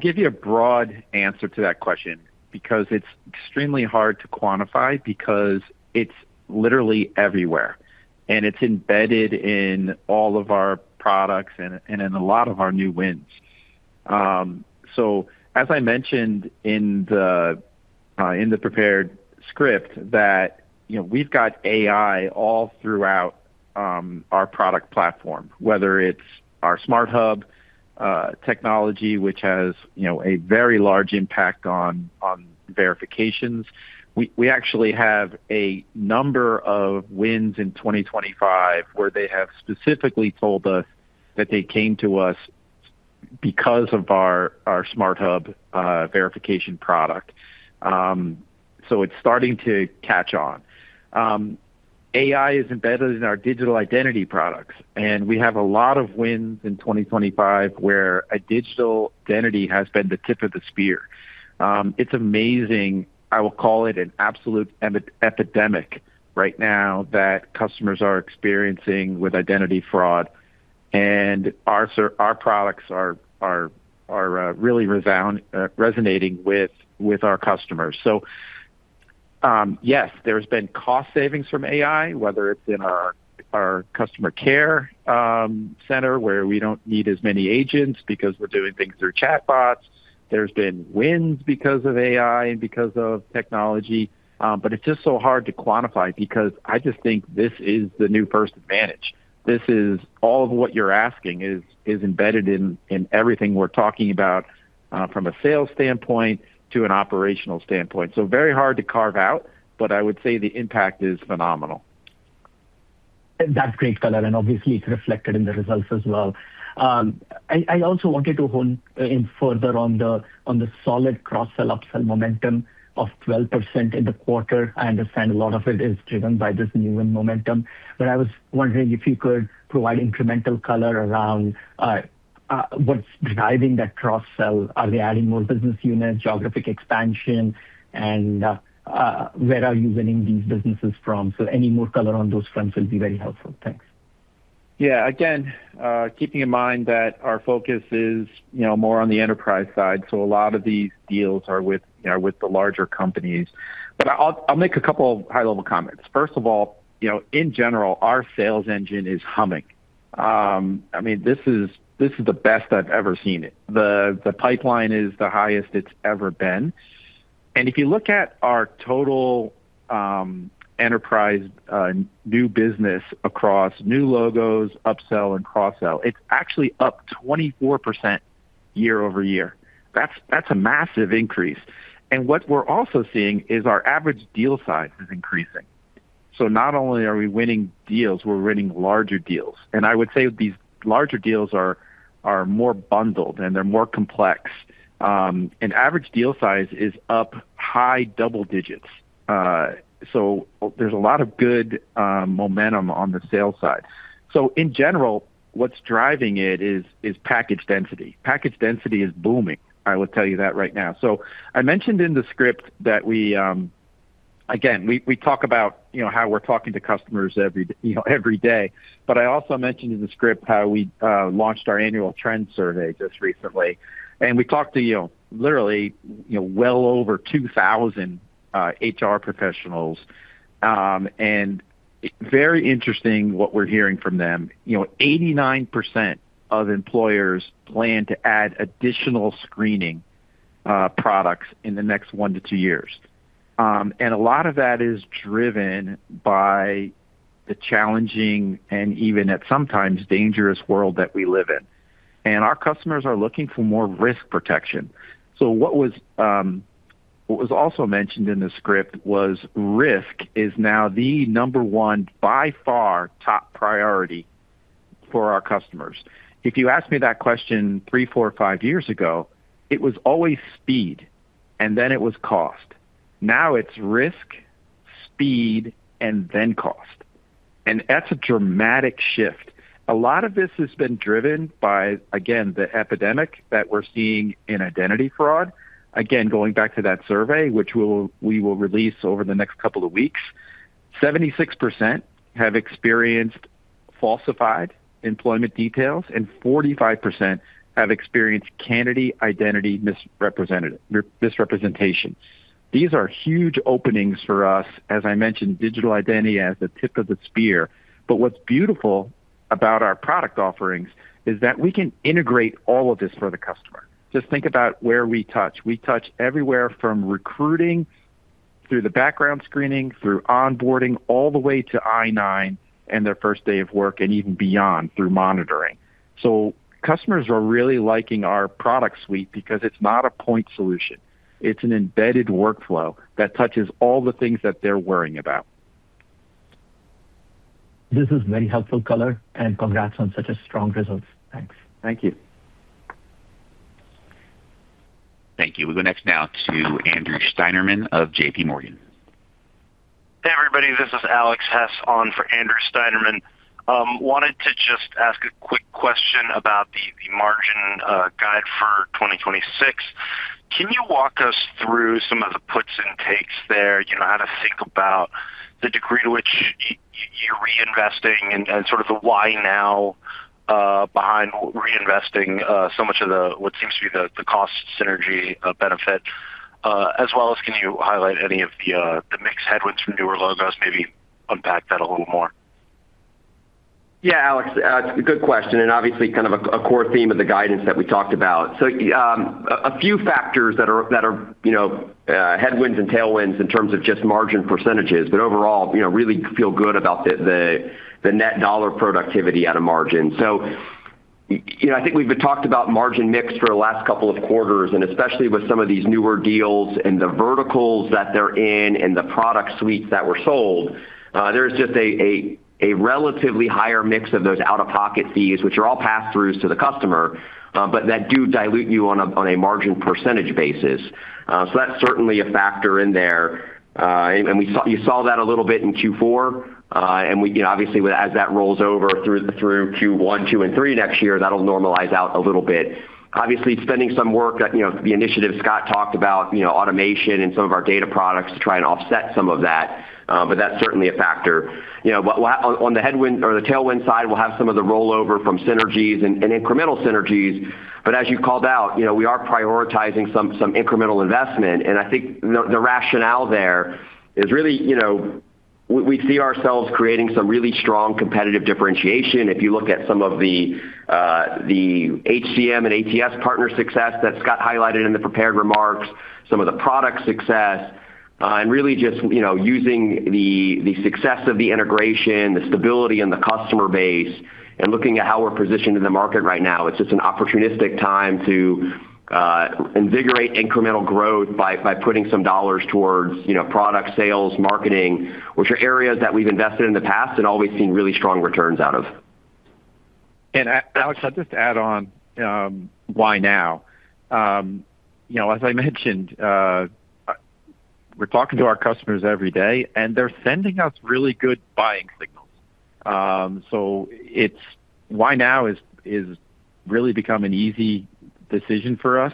give you a broad answer to that question because it's extremely hard to quantify because it's literally everywhere, and it's embedded in all of our products and in a lot of our new wins. As I mentioned in the prepared script that, you know, we've got AI all throughout our product platform, whether it's our SmartHub technology, which has, you know, a very large impact on verifications. We actually have a number of wins in 2025, where they have specifically told us that they came to us because of our SmartHub verification product. It's starting to catch on. AI is embedded in our digital identity products, and we have a lot of wins in 2025, where a digital identity has been the tip of the spear. It's amazing. I will call it an absolute epidemic right now that customers are experiencing with identity fraud, and our products are really resonating with our customers. Yes, there's been cost savings from AI, whether it's in our customer care center, where we don't need as many agents because we're doing things through chatbots. There's been wins because of AI and because of technology, but it's just so hard to quantify because I just think this is the new First Advantage. This is all of what you're asking is embedded in everything we're talking about from a sales standpoint to an operational standpoint. Very hard to carve out, but I would say the impact is phenomenal. That's great color. Obviously, it's reflected in the results as well. I also wanted to hone in further on the solid cross-sell, upsell momentum of 12% in the quarter. I understand a lot of it is driven by this new win momentum, I was wondering if you could provide incremental color around what's driving that cross-sell. Are they adding more business units, geographic expansion, and where are you winning these businesses from? Any more color on those fronts will be very helpful. Thanks. Yeah. Again, keeping in mind that our focus is, you know, more on the enterprise side, so a lot of these deals are with, you know, with the larger companies. I'll make a couple of high-level comments. First of all, you know, in general, our sales engine is humming. I mean, this is the best I've ever seen it. The pipeline is the highest it's ever been, and if you look at our total enterprise new business across new logos, upsell, and cross-sell, it's actually up 24% year-over-year. That's a massive increase. What we're also seeing is our average deal size is increasing. Not only are we winning deals, we're winning larger deals. I would say these larger deals are more bundled, and they're more complex. Average deal size is up high double digits. There's a lot of good momentum on the sales side. In general, what's driving it is package density. Package density is booming. I will tell you that right now. I mentioned in the script that we. Again, we talk about, you know, how we're talking to customers every day, you know, every day. I also mentioned in the script how we launched our annual trend survey just recently, and we talked to, you know, literally, you know, well over 2,000 HR professionals. It's very interesting what we're hearing from them. You know, 89% of employers plan to add additional screening products in the next one to two years. A lot of that is driven by the challenging and even at sometimes dangerous world that we live in. Our customers are looking for more risk protection. What was also mentioned in the script was risk is now the number one, by far, top priority for our customers. If you asked me that question three, four, or five years ago, it was always speed, and then it was cost. Now it's risk, speed, and then cost. That's a dramatic shift. A lot of this has been driven by, again, the epidemic that we're seeing in identity fraud. Again, going back to that survey, which we will release over the next couple of weeks, 76% have experienced falsified employment details, and 45% have experienced candidate identity misrepresentation. These are huge openings for us. As I mentioned, digital identity as the tip of the spear, but what's beautiful about our product offerings is that we can integrate all of this for the customer. Just think about where we touch. We touch everywhere from recruiting through the background screening, through onboarding, all the way to I-9 and their first day of work, and even beyond through monitoring. Customers are really liking our product suite because it's not a point solution. It's an embedded workflow that touches all the things that they're worrying about. This is very helpful color, and congrats on such a strong results. Thanks. Thank you. Thank you. We go next now to Andrew Steinerman of JP Morgan. Hey, everybody, this is Alex Hess on for Andrew Steinerman. Wanted to just ask a quick question about the margin guide for 2026. Can you walk us through some of the puts and takes there? How to think about the degree to which you're reinvesting and sort of the why now behind reinvesting so much of the, what seems to be the cost synergy benefit, as well as can you highlight any of the mixed headwinds from newer logos? Maybe unpack that a little more. Yeah, Alex, good question, and obviously kind of a core theme of the guidance that we talked about. A few factors that are, that are, you know, headwinds and tailwinds in terms of just margin percentages, but overall, you know, really feel good about the net dollar productivity at a margin. You know, I think we've talked about margin mix for the last couple of quarters, and especially with some of these newer deals and the verticals that they're in and the product suites that were sold, there's just a relatively higher mix of those out-of-pocket fees, which are all pass-throughs to the customer, but that do dilute you on a margin percentage basis. That's certainly a factor in there. You saw that a little bit in Q4, and we, you know, obviously, as that rolls over through Q1, Q2, and Q3 next year, that'll normalize out a little bit. Obviously, spending some work, you know, the initiative Scott talked about, you know, automation and some of our data products to try and offset some of that, but that's certainly a factor. You know, on the headwind or the tailwind side, we'll have some of the rollover from synergies and incremental synergies. As you called out, you know, we are prioritizing some incremental investment, and I think the rationale there is really, you know, we see ourselves creating some really strong competitive differentiation. If you look at some of the HCM and ATS partner success that Scott Staples highlighted in the prepared remarks, some of the product success, and really just, you know, using the success of the integration, the stability in the customer base, and looking at how we're positioned in the market right now, it's just an opportunistic time to invigorate incremental growth by putting some dollars towards, you know, product sales, marketing, which are areas that we've invested in the past and always seen really strong returns out of. Alex Hess, I'll just add on, why now? You know, as I mentioned, we're talking to our customers every day, and they're sending us really good buying signals. Why now is really become an easy decision for us.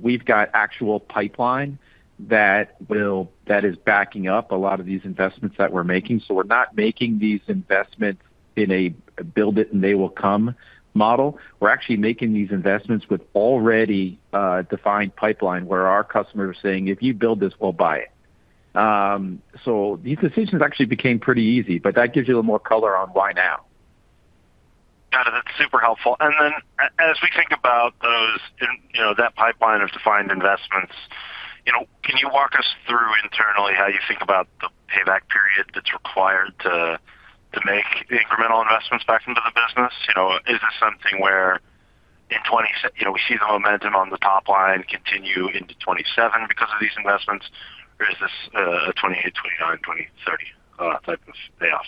We've got actual pipeline that is backing up a lot of these investments that we're making. We're not making these investments in a build it, and they will come model. We're actually making these investments with already defined pipeline, where our customers are saying, "If you build this, we'll buy it." These decisions actually became pretty easy, but that gives you a little more color on why now. Got it. That's super helpful. Then as we think about those in, you know, that pipeline of defined investments, you know, can you walk us through internally how you think about the payback period that's required to make the incremental investments back into the business? You know, is this something where we see the momentum on the top line continue into 2027 because of these investments, or is this a 2028, 2029, 2030 type of payoff?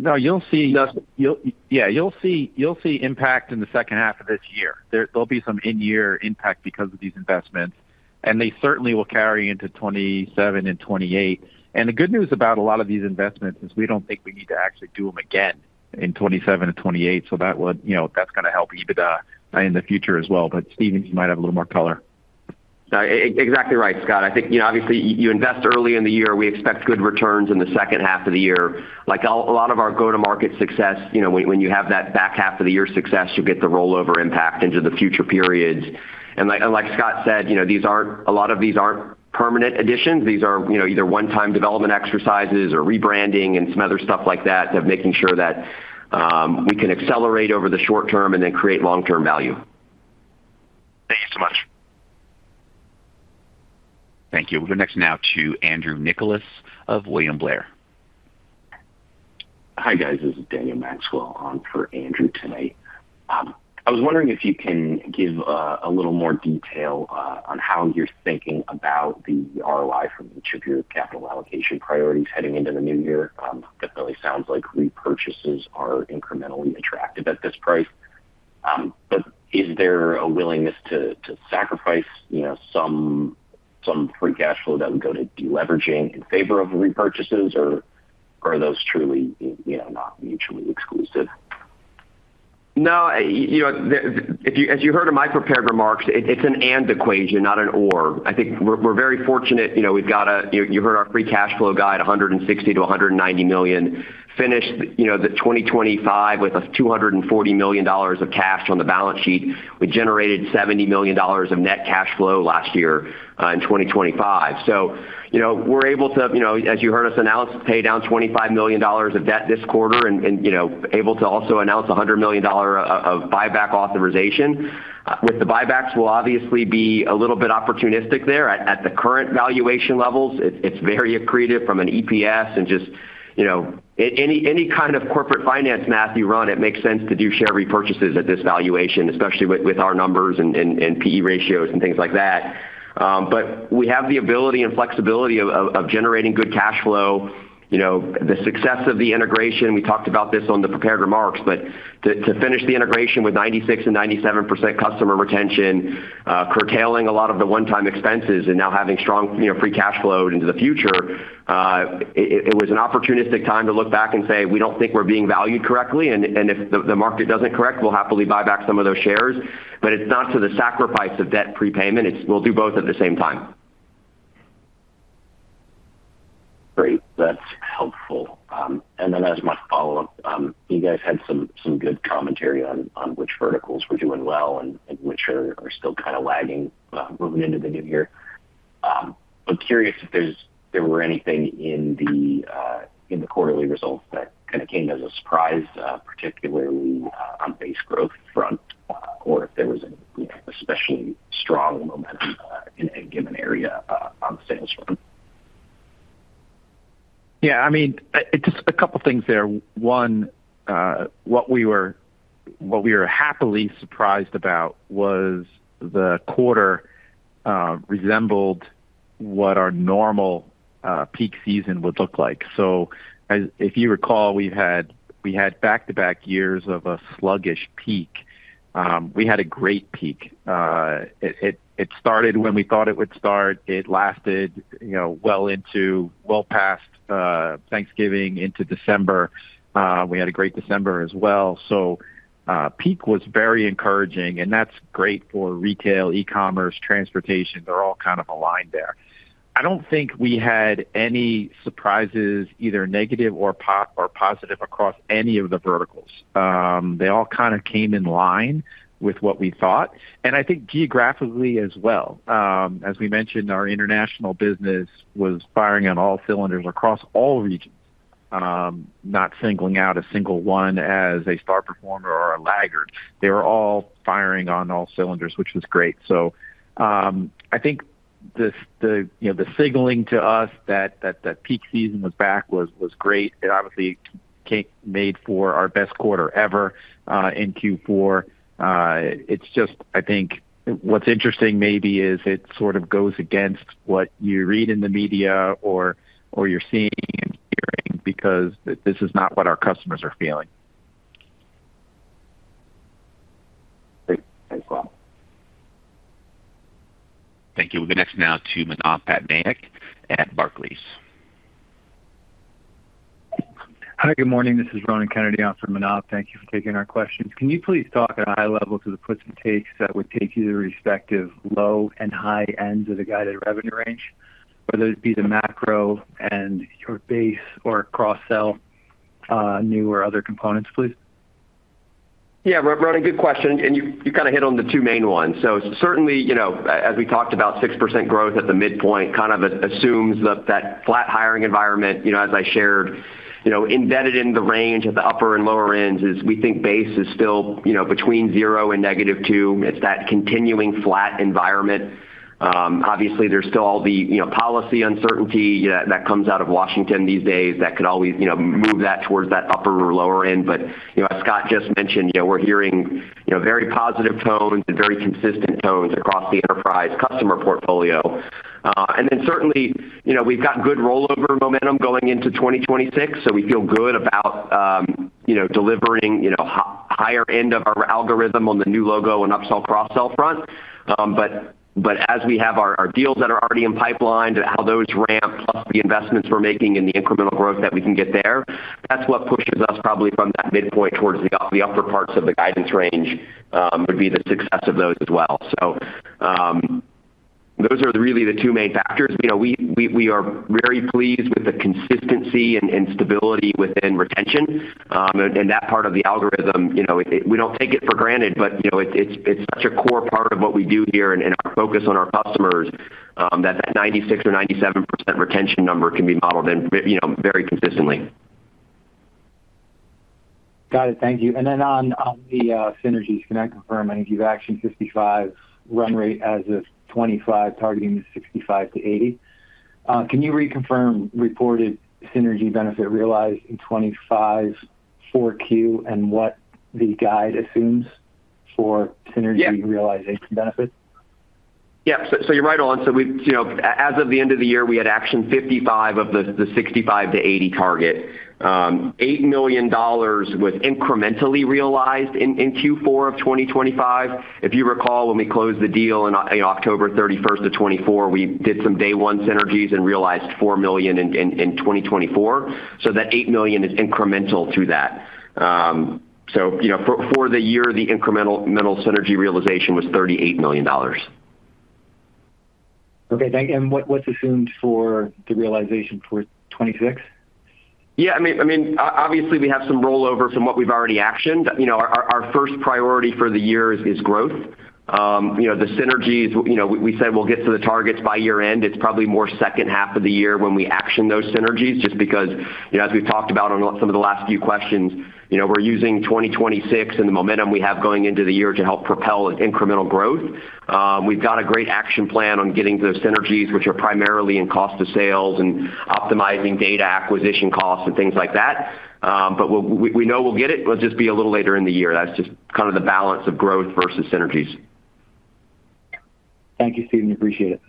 No, you'll see. Yes. Yeah, you'll see impact in the second half of this year. There'll be some in-year impact because of these investments. They certainly will carry into 2027 and 2028. The good news about a lot of these investments is we don't think we need to actually do them again in 2027 and 2028, so that would, you know, that's going to help EBITDA in the future as well. Steven, you might have a little more color. Exactly right, Scott. I think, you know, obviously, you invest early in the year, we expect good returns in the second half of the year. Like, a lot of our go-to-market success, you know, when you have that back half of the year success, you get the rollover impact into the future periods. Like Scott said, you know, these aren't permanent additions. These are, you know, either one-time development exercises or rebranding and some other stuff like that, of making sure that we can accelerate over the short term and then create long-term value. Thank you so much. Thank you. We'll go next now to Andrew Nicholas of William Blair. Hi, guys. This is Daniel Maxwell on for Andrew tonight. I was wondering if you can give a little more detail on how you're thinking about the ROI from each of your capital allocation priorities heading into the new year. Definitely sounds like repurchases are incrementally attractive at this price. Is there a willingness to sacrifice, you know, some free cash flow that would go to deleveraging in favor of repurchases, or are those truly, you know, not mutually exclusive? You know, as you heard in my prepared remarks, it's an and equation, not an or. I think we're very fortunate, you know, we've got you heard our free cash flow guide, $160 million-$190 million, finished, you know, the 2025 with $240 million of cash on the balance sheet. We generated $70 million of net cash flow last year in 2025. You know, we're able to, you know, as you heard us announce, pay down $25 million of debt this quarter and, you know, able to also announce $100 million of buyback authorization. With the buybacks, we'll obviously be a little bit opportunistic there. At the current valuation levels, it's very accretive from an EPS and just, you know, any kind of corporate finance math you run, it makes sense to do share repurchases at this valuation, especially with our numbers and PE ratios and things like that. We have the ability and flexibility of generating good cash flow. You know, the success of the integration, we talked about this on the prepared remarks, but to finish the integration with 96% and 97% customer retention, curtailing a lot of the one-time expenses and now having strong, you know, free cash flow into the future, it was an opportunistic time to look back and say, we don't think we're being valued correctly, and if the market doesn't correct, we'll happily buy back some of those shares. It's not to the sacrifice of debt prepayment. We'll do both at the same time. Great. That's helpful. As my follow-up, you guys had some good commentary on which verticals were doing well and which are still kind of lagging, moving into the new year. I'm curious if there were anything in the quarterly results that kind of came as a surprise, particularly on base growth front, or if there was an especially strong momentum, in a given area, on the sales front? I mean, just a couple of things there. One, what we were happily surprised about was the quarter resembled what our normal peak season would look like. If you recall, we had back-to-back years of a sluggish peak. We had a great peak. It started when we thought it would start. It lasted, you know, well into well past Thanksgiving into December. We had a great December as well. Peak was very encouraging, and that's great for retail, e-commerce, transportation. They're all kind of aligned there. I don't think we had any surprises, either negative or positive across any of the verticals. They all kind of came in line with what we thought, and I think geographically as well. As we mentioned, our international business was firing on all cylinders across all regions, not singling out a single one as a star performer or a laggard. They were all firing on all cylinders, which was great. I think the, you know, the signaling to us that peak season was back was great. It obviously made for our best quarter ever in Q4. It's just I think what's interesting maybe is it sort of goes against what you read in the media or you're seeing and hearing, because this is not what our customers are feeling. Great. Thanks, Scott. Thank you. We'll go next now to Manav Patnaik at Barclays. Hi, good morning. This is Ronan Kennedy, on for Manav. Thank you for taking our questions. Can you please talk at a high level to the puts and takes that would take you to the respective low and high ends of the guided revenue range, whether it be the macro and your base or cross-sell, new or other components, please? Ronan, good question, and you kind of hit on the two main ones. Certainly, you know, as we talked about, 6% growth at the midpoint kind of assumes that that flat hiring environment, you know, as I shared, you know, embedded in the range at the upper and lower ends, is we think base is still, you know, between 0 and -2. It's that continuing flat environment. Obviously, there's still all the, you know, policy uncertainty that comes out of Washington these days that could always, you know, move that towards that upper or lower end. You know, as Scott just mentioned, you know, we're hearing, you know, very positive tones and very consistent tones across the enterprise customer portfolio. Certainly, you know, we've got good rollover momentum going into 2026, so we feel good about, you know, delivering, you know, higher end of our algorithm on the new logo and upsell, cross-sell front. But as we have our deals that are already in pipeline, to how those ramp, plus the investments we're making and the incremental growth that we can get there, that's what pushes us probably from that midpoint towards the upper parts of the guidance range, would be the success of those as well. Those are really the two main factors. You know, we are very pleased with the consistency and stability within retention, and that part of the algorithm, you know, we don't take it for granted, but, you know, it's such a core part of what we do here and our focus on our customers, that 96 or 97% retention number can be modeled in, you know, very consistently. Got it. Thank you. Then on the synergies, can I confirm I think you've actioned $55 run rate as of 2025, targeting $65-$80? Can you reconfirm reported synergy benefit realized in 2025, 4Q, and what the guide assumes for synergy? Yeah. realization benefits? You're right on. We've you know, as of the end of the year, we had actioned 55 of the 65-80 target. $8 million was incrementally realized in Q4 of 2025. If you recall, when we closed the deal in, you know, October 31st of 2024, we did some day one synergies and realized $4 million in 2024. That $8 million is incremental to that. You know, for the year, the incremental synergy realization was $38 million. Okay, thank you. What's assumed for the realization for 2026? I mean, obviously, we have some rollover from what we've already actioned. You know, our first priority for the year is growth. You know, the synergies, you know, we said we'll get to the targets by year end. It's probably more second half of the year when we action those synergies, just because, you know, as we've talked about on some of the last few questions, you know, we're using 2026 and the momentum we have going into the year to help propel incremental growth. We've got a great action plan on getting those synergies, which are primarily in cost of sales and optimizing data acquisition costs and things like that. We know we'll get it. It'll just be a little later in the year. That's just kind of the balance of growth versus synergies. Thank you, Steven. Appreciate it.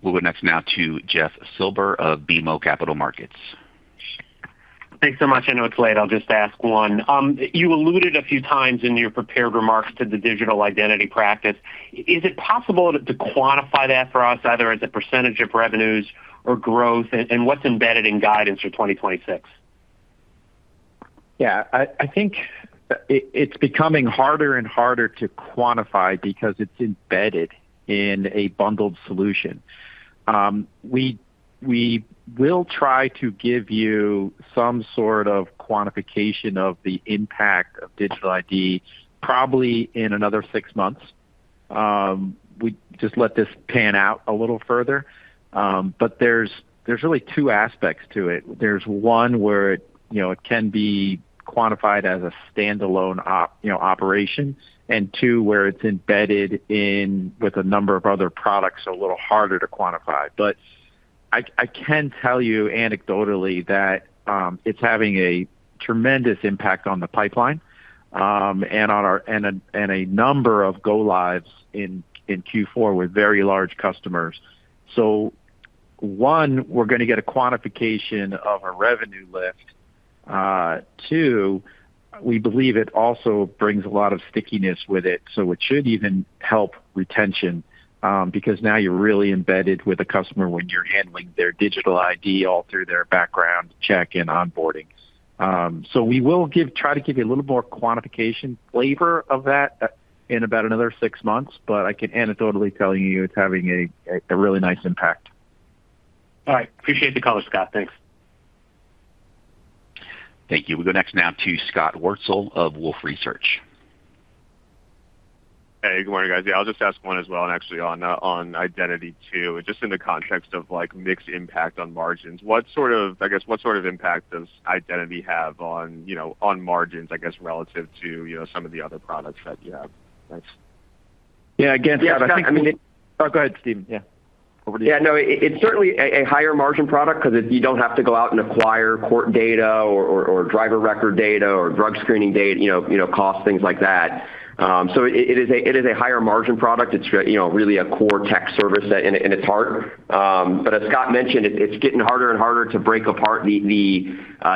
We'll go next now to Jeff Silber of BMO Capital Markets. Thanks so much. I know it's late. I'll just ask one. You alluded a few times in your prepared remarks to the digital identity practice. Is it possible to quantify that for us, either as a percentage of revenues or growth, and what's embedded in guidance for 2026? I think it's becoming harder and harder to quantify because it's embedded in a bundled solution. We will try to give you some sort of quantification of the impact of digital ID probably in another 6 months. We just let this pan out a little further. There's really two aspects to it. There's one where, you know, it can be quantified as a standalone operation, and two, where it's embedded in with a number of other products, a little harder to quantify. I can tell you anecdotally that it's having a tremendous impact on the pipeline and a number of go lives in Q4 with very large customers. One, we're gonna get a quantification of a revenue lift. Two, we believe it also brings a lot of stickiness with it, so it should even help retention because now you're really embedded with a customer when you're handling their digital ID all through their background check and onboarding. We will try to give you a little more quantification flavor of that in about another 6 months, but I can anecdotally tell you it's having a really nice impact. All right. Appreciate the call, Scott. Thanks. Thank you. We'll go next now to Scott Wurtzel of Wolfe Research. Hey, good morning, guys. Yeah, I'll just ask one as well, and actually on identity too. Just in the context of, like, mixed impact on margins, I guess, what sort of impact does identity have on, you know, on margins, I guess, relative to, you know, some of the other products that you have? Thanks. Yeah. Yeah, I think, I mean, go ahead, Steven. Yeah. Over to you. Yeah, no, it's certainly a higher margin product because you don't have to go out and acquire court data or driver record data or drug screening data, you know, costs, things like that. It is a higher margin product. It's, you know, really a core tech service in its heart. As Scott mentioned, it's getting harder and harder to break apart the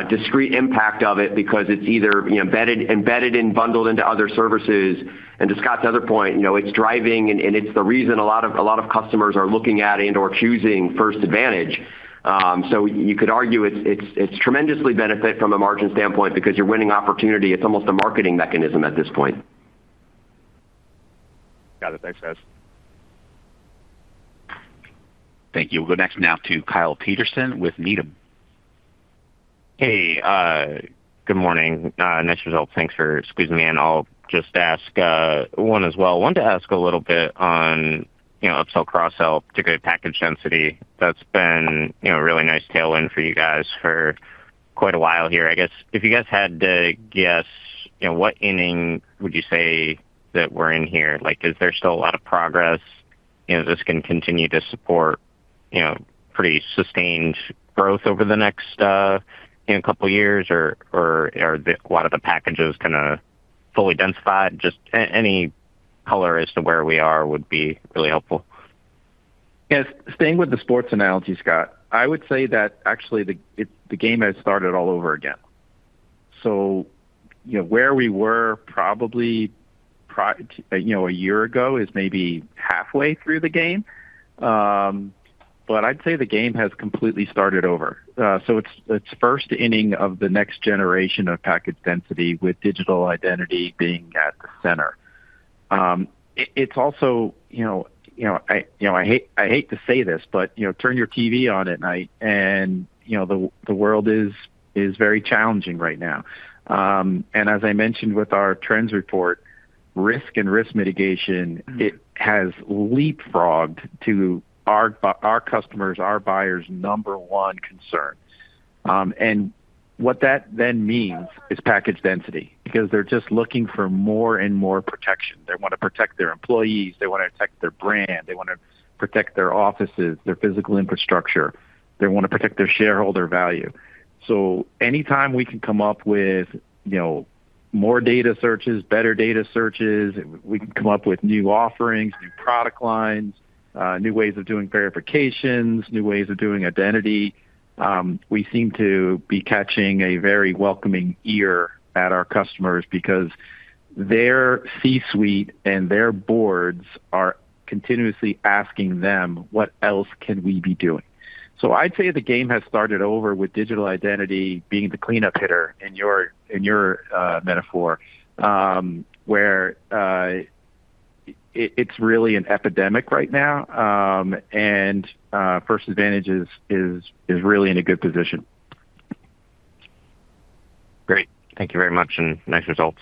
discrete impact of it because it's either, you know, embedded and bundled into other services. To Scott's other point, you know, it's driving, and it's the reason a lot of customers are looking at and/or choosing First Advantage. You could argue it's tremendously benefit from a margin standpoint because you're winning opportunity. It's almost a marketing mechanism at this point. Got it. Thanks, guys. Thank you. We'll go next now to Kyle Peterson with Needham. Hey, good morning. Nice results. Thanks for squeezing me in. I'll just ask one as well. Wanted to ask a little bit on, you know, upsell, cross-sell to good package density. That's been, you know, a really nice tailwind for you guys for quite a while here. I guess if you guys had to guess, you know, what inning would you say that we're in here? Like, is there still a lot of progress, you know, this can continue to support, you know, pretty sustained growth over the next, you know, couple of years, or, a lot of the packages kinda fully densified? Just any color as to where we are would be really helpful. Yes. Staying with the sports analogy, Scott, I would say that actually the game has started all over again. You know, where we were probably you know, a year ago is maybe halfway through the game. I'd say the game has completely started over. It's, it's first inning of the next generation of package density with digital identity being at the center. It, it's also, you know, I, you know, I hate to say this, but, you know, turn your TV on at night and, you know, the world is very challenging right now. As I mentioned with our trends report, risk and risk mitigation, it has leapfrogged to our customers, our buyers' number one concern. What that then means is package density, because they're just looking for more and more protection. They want to protect their employees, they want to protect their brand, they want to protect their offices, their physical infrastructure, they want to protect their shareholder value. Anytime we can come up with, you know, more data searches, better data searches, we can come up with new offerings, new product lines, new ways of doing verifications, new ways of doing identity, we seem to be catching a very welcoming ear at our customers because their C-suite and their boards are continuously asking them: What else can we be doing? I'd say the game has started over with digital identity being the cleanup hitter in your metaphor, where it's really an epidemic right now, and First Advantage is really in a good position. Great. Thank you very much, and nice results.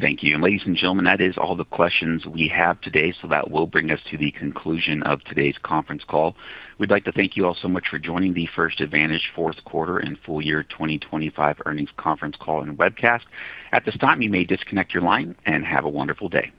Thank you. Ladies and gentlemen, that is all the questions we have today. That will bring us to the conclusion of today's conference call. We'd like to thank you all so much for joining the First Advantage fourth quarter and full year 2025 earnings conference call and webcast. At this time, you may disconnect your line. Have a wonderful day.